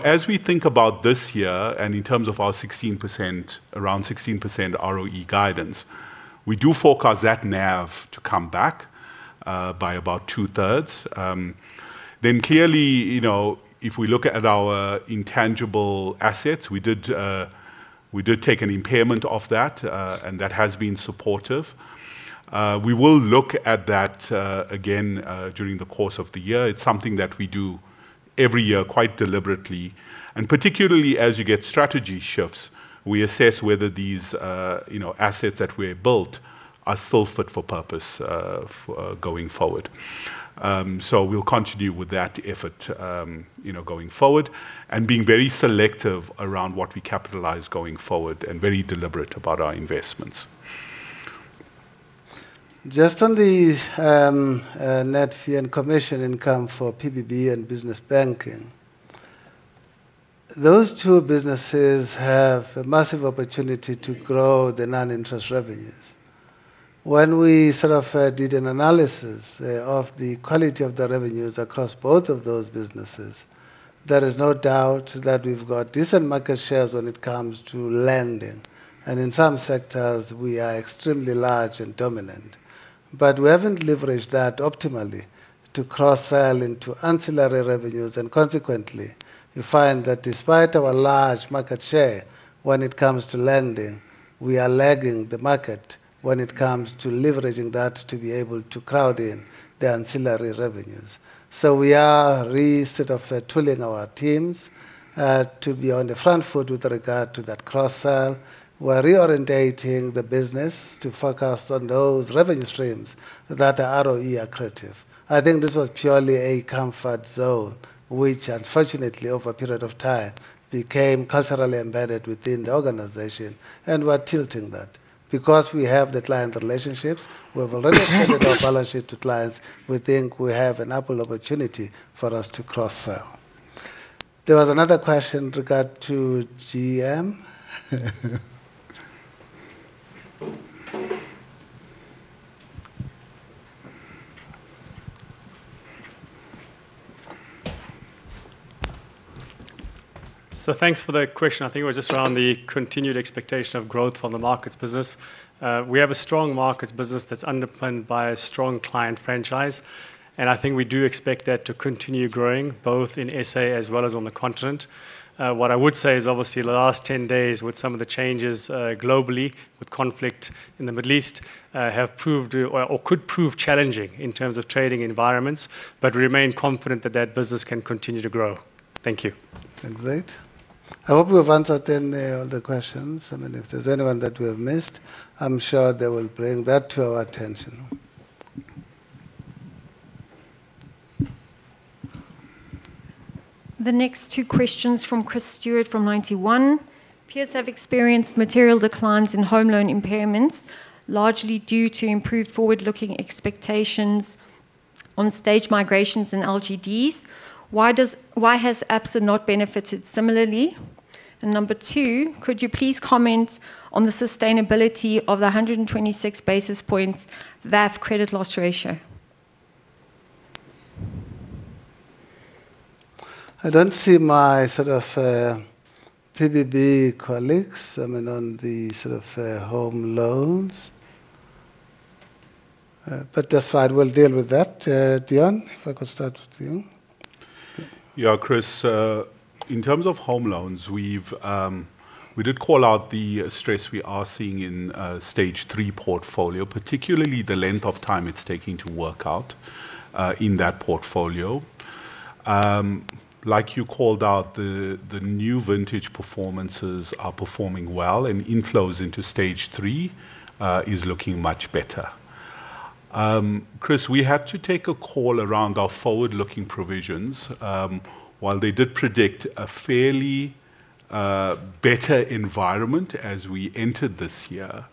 As we think about this year and in terms of our 16%, around 16% ROE guidance, we do forecast that NAV to come back by about two-thirds. Clearly, you know, if we look at our intangible assets, we did take an impairment of that, and that has been supportive. We will look at that again during the course of the year. It's something that we do every year quite deliberately. Particularly as you get strategy shifts, we assess whether these, you know, assets that we built are still fit for purpose for going forward. We'll continue with that effort, you know, going forward and being very selective around what we capitalize going forward and very deliberate about our investments. Just on the net fee and commission income for PBB and Business Banking. Those two businesses have a massive opportunity to grow the non-interest revenues. When we sort of did an analysis of the quality of the revenues across both of those businesses, there is no doubt that we've got decent market shares when it comes to Lending, and in some sectors we are extremely large and dominant. We haven't leveraged that optimally to cross-sell into ancillary revenues, and consequently, we find that despite our large market share when it comes to Lending, we are lagging the market when it comes to leveraging that to be able to crowd in the ancillary revenues. We are re-sort of tooling our teams to be on the front foot with regard to that cross-sell. We're reorienting the business to focus on those revenue streams that are ROE accretive. I think this was purely a comfort zone, which unfortunately over a period of time became culturally embedded within the organization, and we're tilting that. Because we have the client relationships, we have already extended our balance sheet to clients, we think we have an ample opportunity for us to cross-sell. There was another question regarding GM. Thanks for the question. I think it was just around the continued expectation of growth from the markets business. We have a strong markets business that's underpinned by a strong client franchise, and I think we do expect that to continue growing both in SA as well as on the continent. What I would say is obviously the last 10 days with some of the changes, globally with conflict in the Middle East, have proved or could prove challenging in terms of trading environments. We remain confident that that business can continue to grow. Thank you. Thanks, Zaid. I hope we have answered all the questions. I mean, if there's anyone that we have missed, I'm sure they will bring that to our attention. The next two questions from Chris Steward from Ninety One. Peers have experienced material declines in home loan impairments, largely due to improved forward-looking expectations on stage migrations and LGDs. Why has Absa not benefited similarly? Number two, could you please comment on the sustainability of the 126 basis points VAF credit loss ratio? I don't see my sort of PBB colleagues. I mean, on the sort of home loans. That's fine. We'll deal with that. Deon, if I could start with you. Yeah, Chris, in terms of Home Loans, we've we did call out the stress we are seeing in stage three portfolio, particularly the length of time it's taking to work out in that portfolio. Like you called out, the new vintage performances are performing well, and inflows into stage three is looking much better. Chris, we had to take a call around our forward-looking provisions. While they did predict a fairly better environment as we entered this year,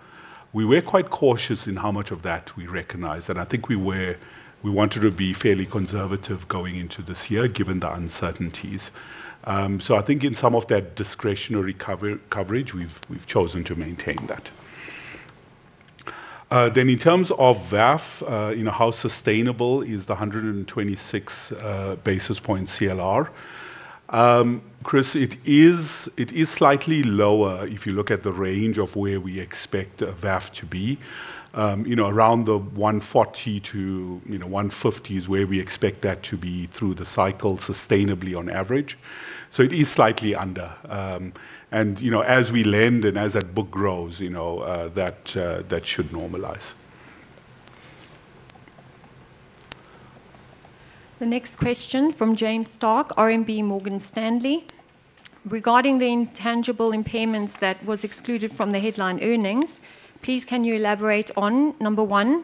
we were quite cautious in how much of that we recognized. I think we wanted to be fairly conservative going into this year given the uncertainties. I think in some of that discretionary coverage, we've chosen to maintain that. In terms of VAF, you know, how sustainable is the 126 basis point CLR? Chris, it is slightly lower if you look at the range of where we expect VAF to be. You know, around the 140-150 is where we expect that to be through the cycle sustainably on average. It is slightly under. You know, as we lend and as that book grows, you know, that should normalize. The next question from James Starke, RMB Morgan Stanley. Regarding the intangible impairments that was excluded from the headline earnings, please can you elaborate on, number one,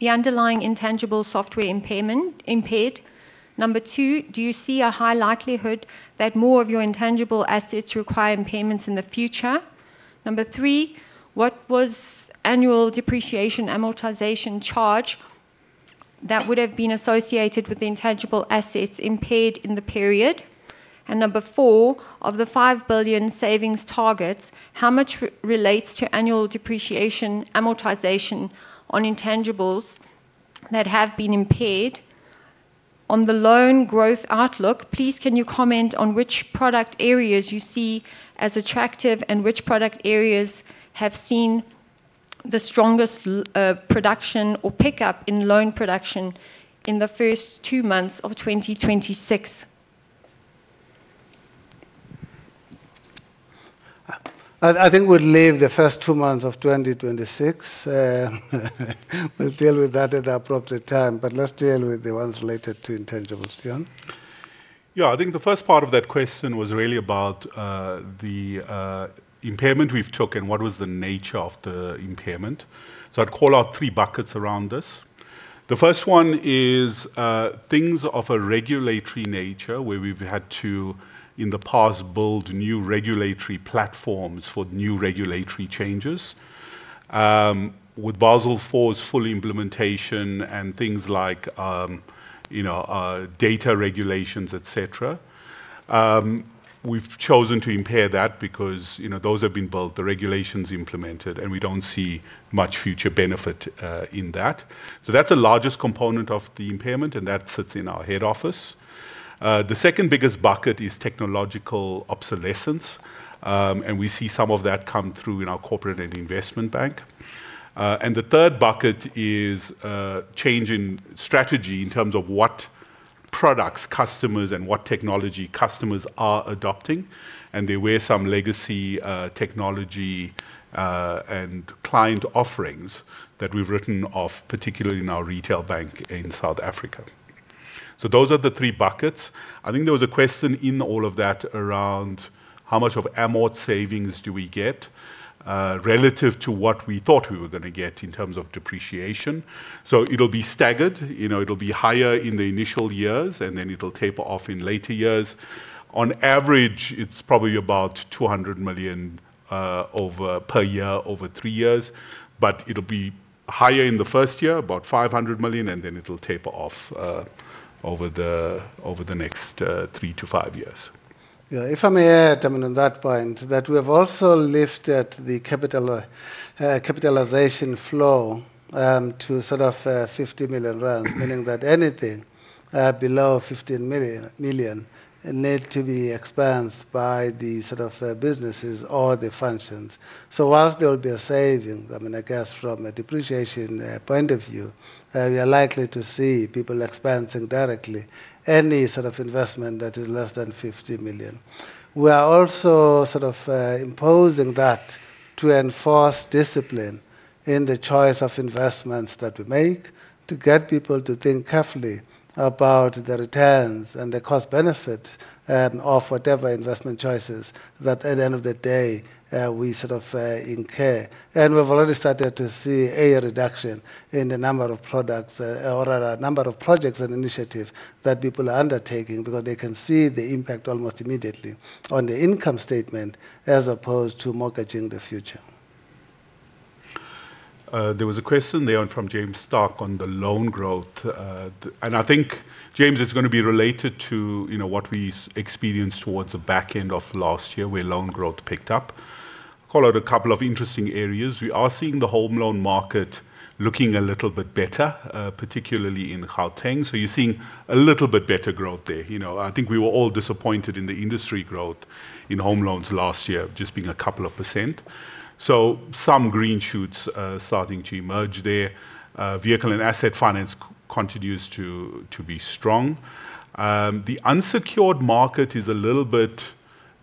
the underlying intangible software impairment. Number two, do you see a high likelihood that more of your intangible assets require impairments in the future? Number three, what was annual depreciation amortization charge that would have been associated with the intangible assets impaired in the period? Number four, of the 5 billion savings targets, how much relates to annual depreciation amortization on intangibles that have been impaired? On the loan growth outlook, please can you comment on which product areas you see as attractive and which product areas have seen the strongest production or pickup in loan production in the first two months of 2026? I think we'll leave the first two months of 2026. We'll deal with that at the appropriate time. Let's deal with the ones related to intangibles. Deon? Yeah. I think the first part of that question was really about the impairment we've taken and what was the nature of the impairment. I'd call out three buckets around this. The first one is things of a regulatory nature where we've had to, in the past, build new regulatory platforms for new regulatory changes. With Basel IV's full implementation and things like you know data regulations et cetera we've chosen to impair that because you know those have been built, the regulations implemented, and we don't see much future benefit in that. That's the largest component of the impairment, and that sits in our head office. The second biggest bucket is technological obsolescence and we see some of that come through in our Corporate and Investment Bank. The third bucket is change in strategy in terms of what products customers and what technology customers are adopting. There were some legacy technology and client offerings that we've written off, particularly in our retail bank in South Africa. Those are the three buckets. I think there was a question in all of that around how much of amort savings do we get relative to what we thought we were gonna get in terms of depreciation. It'll be staggered, you know. It'll be higher in the initial years, and then it'll taper off in later years. On average, it's probably about 200 million per year over three years. It'll be higher in the first year, about 500 million, and then it'll taper off over the next three to five years. Yeah. If I may add, I mean, on that point, that we have also lifted the capital capitalization flow to sort of 50 million rand, meaning that anything below 15 million need to be expensed by the sort of businesses or the functions. While there will be a saving, I mean, I guess from a depreciation point of view, we are likely to see people expensing directly any sort of investment that is less than 50 million. We are also sort of imposing that to enforce discipline in the choice of investments that we make to get people to think carefully about the returns and the cost benefit of whatever investment choices that at the end of the day we sort of incur. We've already started to see a reduction in the number of products, or rather number of projects and initiatives that people are undertaking because they can see the impact almost immediately on the income statement as opposed to mortgaging the future. There was a question there from James Starke on the loan growth. I think, James, it's gonna be related to, you know, what we experienced towards the back end of last year where loan growth picked up. Call out a couple of interesting areas. We are seeing the home loan market looking a little bit better, particularly in Gauteng, so you're seeing a little bit better growth there. You know, I think we were all disappointed in the industry growth in home loans last year just being 2%. Some green shoots starting to emerge there. Vehicle and asset finance continues to be strong. The unsecured market is a little bit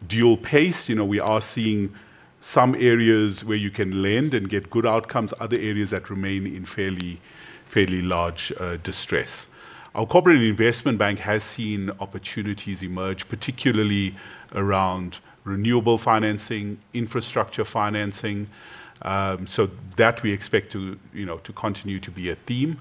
two-paced. You know, we are seeing some areas where you can lend and get good outcomes, other areas that remain in fairly large distress. Our Corporate and Investment Bank has seen opportunities emerge, particularly around renewable financing, infrastructure financing. That we expect to, you know, to continue to be a theme.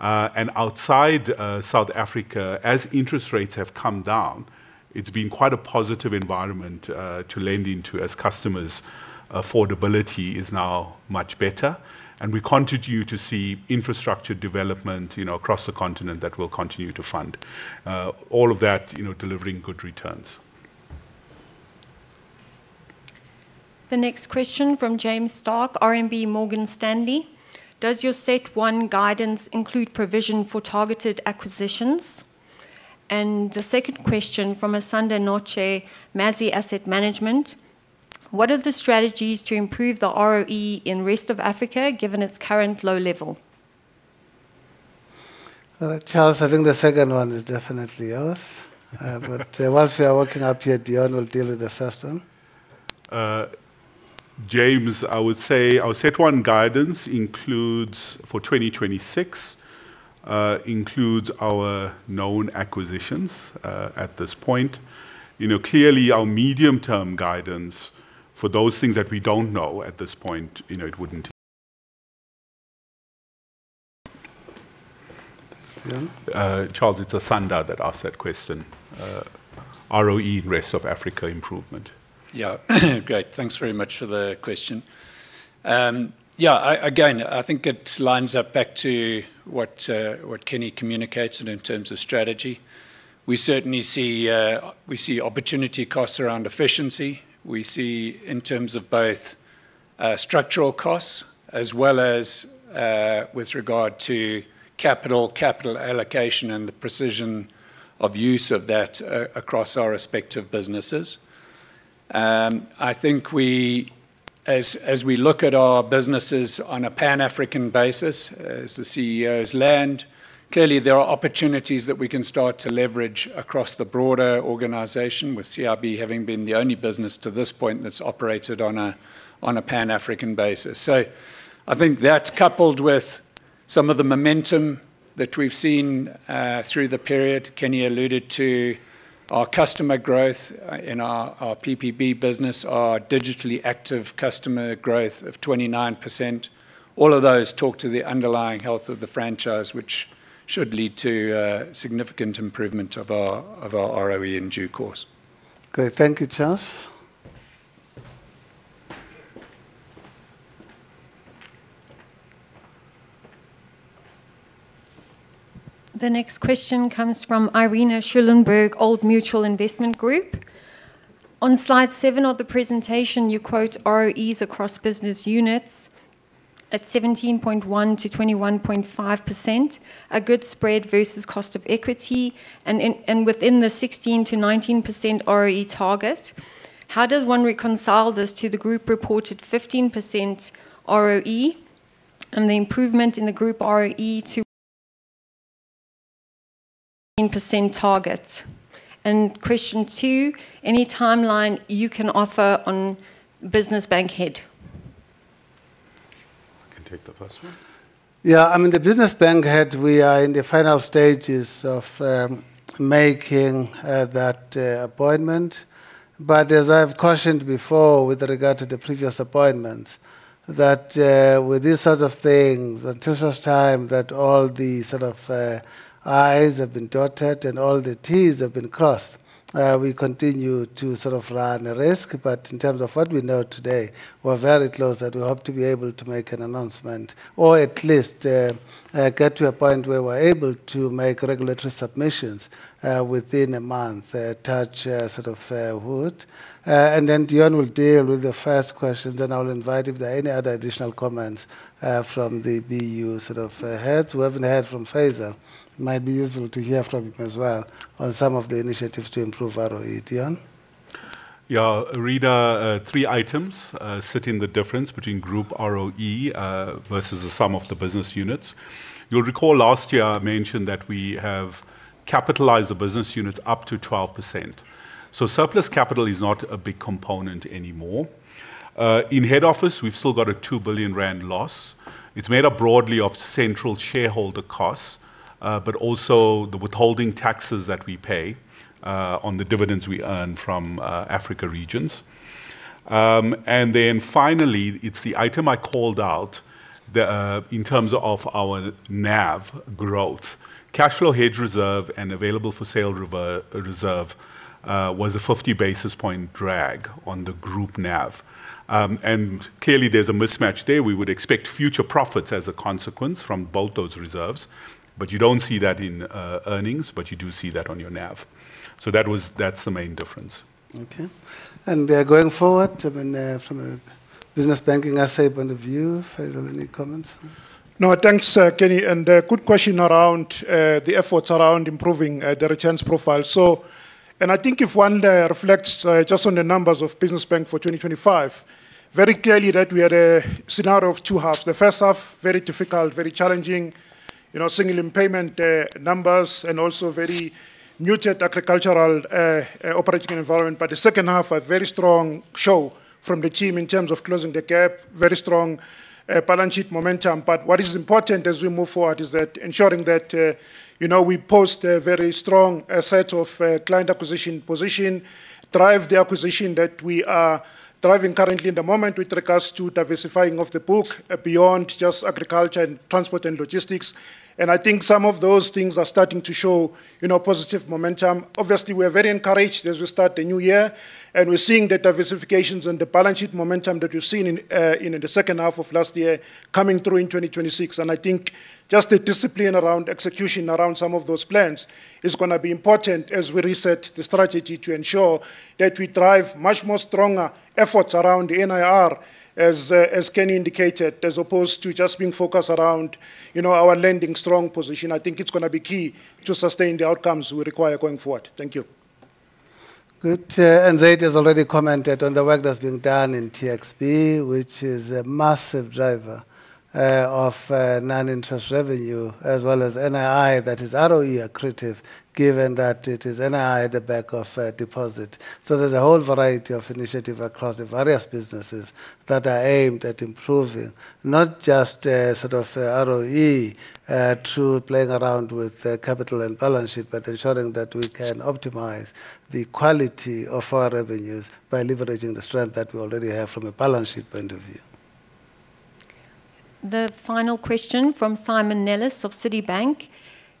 Outside South Africa, as interest rates have come down, it's been quite a positive environment to lend into as customers' affordability is now much better. We continue to see infrastructure development, you know, across the continent that we'll continue to fund. All of that, you know, delivering good returns. The next question from James Starke, RMB Morgan Stanley. Does your CET1 guidance include provision for targeted acquisitions? The second question from Asanda Notshe, Mazi Asset Management. What are the strategies to improve the ROE in Rest of Africa, given its current low level? Charles, I think the second one is definitely yours. Once we are woken up here, Deon will deal with the first one. James, I would say our CET1 guidance includes, for 2026, our known acquisitions at this point. You know, clearly, our medium-term guidance for those things that we don't know at this point, you know, it wouldn't. Deon? Charles, it's Asanda that asked that question. ROE Rest of Africa improvement. Yeah. Great. Thanks very much for the question. Yeah, again, I think it lines up back to what Kenny communicates and in terms of strategy. We certainly see opportunity costs around efficiency. We see in terms of both structural costs as well as with regard to capital allocation and the precision of use of that across our respective businesses. I think as we look at our businesses on a Pan-African basis, as the CEO has learned, clearly there are opportunities that we can start to leverage across the broader organization with CIB having been the only business to this point that's operated on a Pan-African basis. I think that coupled with some of the momentum that we've seen through the period, Kenny alluded to our customer growth in our PPB business, our digitally active customer growth of 29%, all of those talk to the underlying health of the franchise, which should lead to significant improvement of our ROE in due course. Okay. Thank you, Charles. The next question comes from Irina Schulenburg, Old Mutual Investment Group. On slide seven of the presentation, you quote ROEs across business units at 17.1%-21.5%, a good spread versus cost of equity and within the 16%-19% ROE target. How does one reconcile this to the group reported 15% ROE and the improvement in the group ROE to % target? Question two, any timeline you can offer on business bank head? I can take the first one. Yeah. I mean, the Business Bank Head, we are in the final stages of making that appointment. As I've cautioned before with regard to the previous appointments, that with these sorts of things, until such time that all the sort of i's have been dotted and all the t's have been crossed, we continue to sort of run a risk. In terms of what we know today, we're very close that we hope to be able to make an announcement or at least get to a point where we're able to make regulatory submissions within a month, touch sort of wood. Deon will deal with the first question, then I'll invite if there are any other additional comments from the BU sort of heads. We haven't heard from Faisal. It might be useful to hear from him as well on some of the initiatives to improve ROE. Deon? Yeah. Irina Schulenburg, three items sit in the difference between Group ROE versus the sum of the business units. You'll recall last year I mentioned that we have capitalized the business units up to 12%. Surplus capital is not a big component anymore. In head office, we've still got a 2 billion rand loss. It's made up broadly of central shareholder costs, but also the withholding taxes that we pay on the dividends we earn from Africa regions. Then finally, it's the item I called out in terms of our NAV growth. Cash flow hedge reserve and available-for-sale reserve was a 50 basis points drag on the Group NAV. Clearly there's a mismatch there. We would expect future profits as a consequence from both those reserves, but you don't see that in earnings, but you do see that on your NAV. That's the main difference. Okay. Going forward, I mean, from a Business Banking asset point of view, are there any comments? No, thanks, Kenny, and good question around the efforts around improving the returns profile. I think if one reflects just on the numbers for Business Banking for 2025, very clearly that we had a scenario of two halves. The first half, very difficult, very challenging, you know, single-digit numbers and also very muted agricultural operating environment. The second half, a very strong show from the team in terms of closing the gap, very strong balance sheet momentum. What is important as we move forward is ensuring that, you know, we post a very strong set of client acquisition position, drive the acquisition that we are driving currently at the moment with regards to diversifying of the book beyond just agriculture and transport and logistics. I think some of those things are starting to show, you know, positive momentum. Obviously, we're very encouraged as we start the new year, and we're seeing the diversifications and the balance sheet momentum that we've seen in the second half of last year coming through in 2026. I think just the discipline around execution around some of those plans is gonna be important as we reset the strategy to ensure that we drive much more stronger efforts around NIR as Kenny indicated, as opposed to just being focused around, you know, our strong Lending position. I think it's gonna be key to sustain the outcomes we require going forward. Thank you. Good. Zaid has already commented on the work that's been done in TXB, which is a massive driver of non-interest revenue as well as NII that is ROE accretive given that it is NII at the back of deposit. There's a whole variety of initiative across the various businesses that are aimed at improving not just sort of ROE through playing around with the capital and balance sheet, but ensuring that we can optimize the quality of our revenues by leveraging the strength that we already have from a balance sheet point of view. The final question from Simon Nellis of Citi.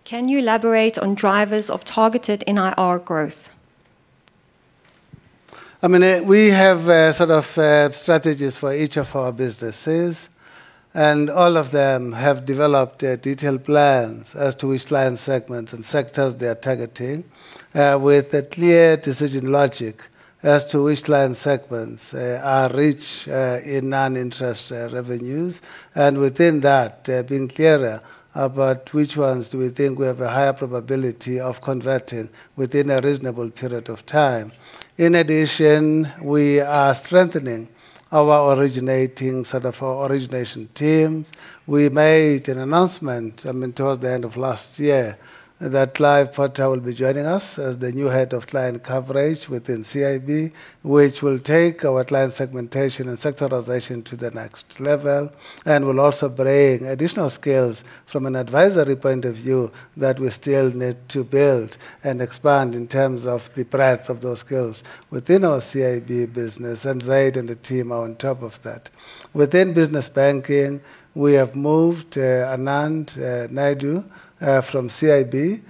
Can you elaborate on drivers of targeted NIR growth? I mean, we have sort of strategies for each of our businesses, and all of them have developed detailed plans as to which line segments and sectors they are targeting with a clear decision logic as to which line segments are rich in non-interest revenues. Within that, being clearer about which ones do we think we have a higher probability of converting within a reasonable period of time. In addition, we are strengthening our originating set of origination teams. We made an announcement, I mean, towards the end of last year, that Clive Porter will be joining us as the new Head of Client Coverage within CIB, which will take our client segmentation and sectorization to the next level and will also bring additional skills from an advisory point of view that we still need to build and expand in terms of the breadth of those skills within our CIB business, and Zaid and the team are on top of that. Within Business Banking, we have moved Anand Naidoo from CIB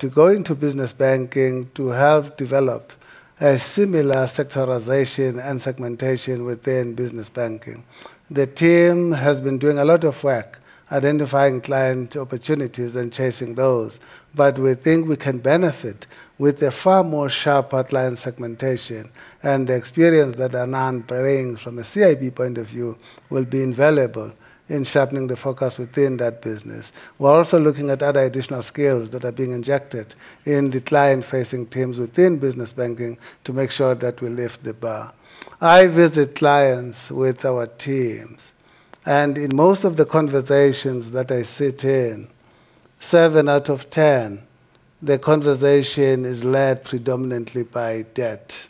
to go into Business Banking to help develop a similar sectorization and segmentation within Business Banking. The team has been doing a lot of work identifying client opportunities and chasing those. We think we can benefit with a far more sharp outline segmentation and the experience that Anand brings from a CIB point of view will be invaluable in sharpening the focus within that business. We're also looking at other additional skills that are being injected in the client-facing teams within Business Banking to make sure that we lift the bar. I visit clients with our teams, and in most of the conversations that I sit in, seven out of 10, the conversation is led predominantly by debt.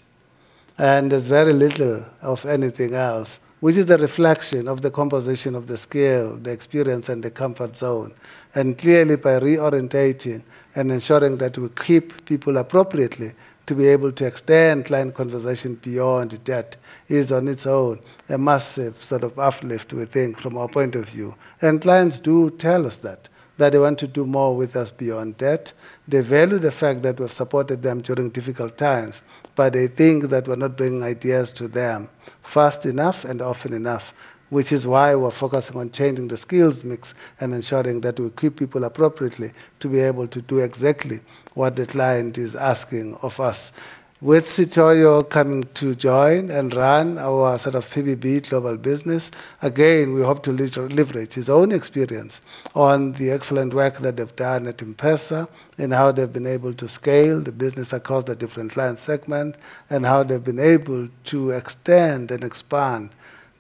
There's very little of anything else, which is a reflection of the composition of the skill, the experience, and the comfort zone. Clearly, by reorienting and ensuring that we keep people appropriately to be able to extend client conversation beyond debt is on its own a massive sort of uplift, we think, from our point of view. Clients do tell us that they want to do more with us beyond debt. They value the fact that we've supported them during difficult times, but they think that we're not bringing ideas to them fast enough and often enough, which is why we're focusing on changing the skills mix and ensuring that we keep people appropriately to be able to do exactly what the client is asking of us. With Sitoyo Lopokoiyit coming to join and run our sort of PBB global business, again, we hope to leverage his own experience on the excellent work that they've done at Investec and how they've been able to scale the business across the different client segment and how they've been able to extend and expand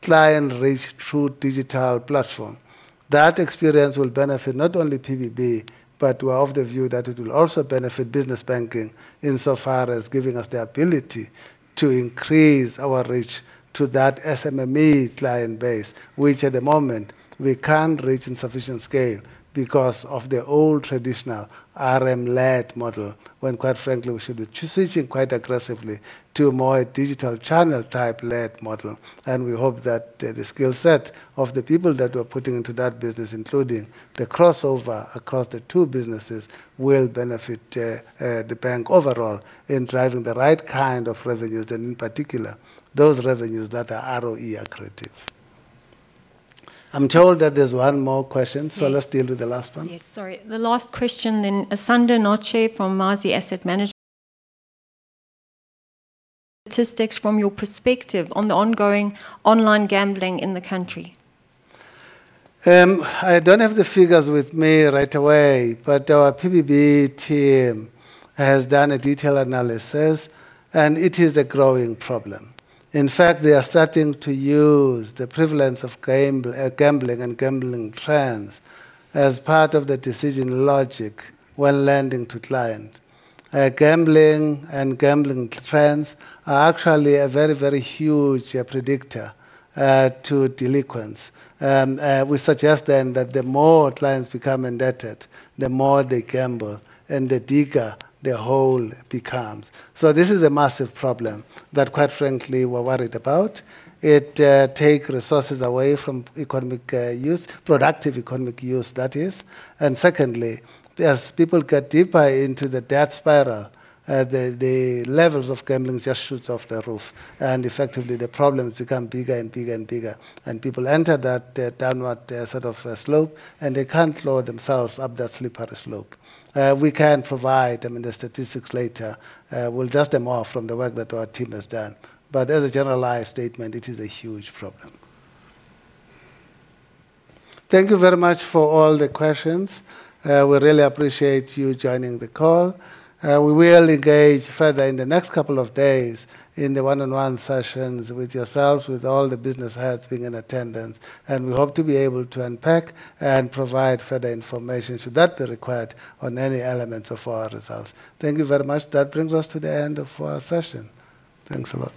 client reach through digital platform. That experience will benefit not only PBB, but we're of the view that it will also benefit Business Banking insofar as giving us the ability to increase our reach to that SMME client base, which at the moment we can't reach in sufficient scale because of the old traditional RM-led model, when quite frankly, we should be switching quite aggressively to a more digital channel type led model. We hope that the skill set of the people that we're putting into that business, including the crossover across the two businesses, will benefit the bank overall in driving the right kind of revenues and in particular, those revenues that are ROE accretive. I'm told that there's one more question. Yes. Let's deal with the last one. Yes, sorry. The last question. Asanda Notshe from Mazi Asset Management. Statistics from your perspective on the ongoing online gambling in the country. I don't have the figures with me right away, but our PPB team has done a detailed analysis, and it is a growing problem. In fact, they are starting to use the prevalence of gambling and gambling trends as part of the decision logic when Lending to client. Gambling and gambling trends are actually a very huge predictor to delinquents. We suggest then that the more clients become indebted, the more they gamble and the deeper the hole becomes. This is a massive problem that quite frankly we're worried about. It take resources away from economic use, productive economic use, that is. Secondly, as people get deeper into the debt spiral, the levels of gambling just shoots off the roof, and effectively the problems become bigger and bigger and bigger. People enter that, downward, sort of, slope, and they can't claw themselves up that slippery slope. We can provide, I mean, the statistics later. We'll dust them off from the work that our team has done. As a generalized statement, it is a huge problem. Thank you very much for all the questions. We really appreciate you joining the call. We will engage further in the next couple of days in the one-on-one sessions with yourselves, with all the business heads being in attendance. We hope to be able to unpack and provide further information, should that be required, on any elements of our results. Thank you very much. That brings us to the end of our session. Thanks a lot.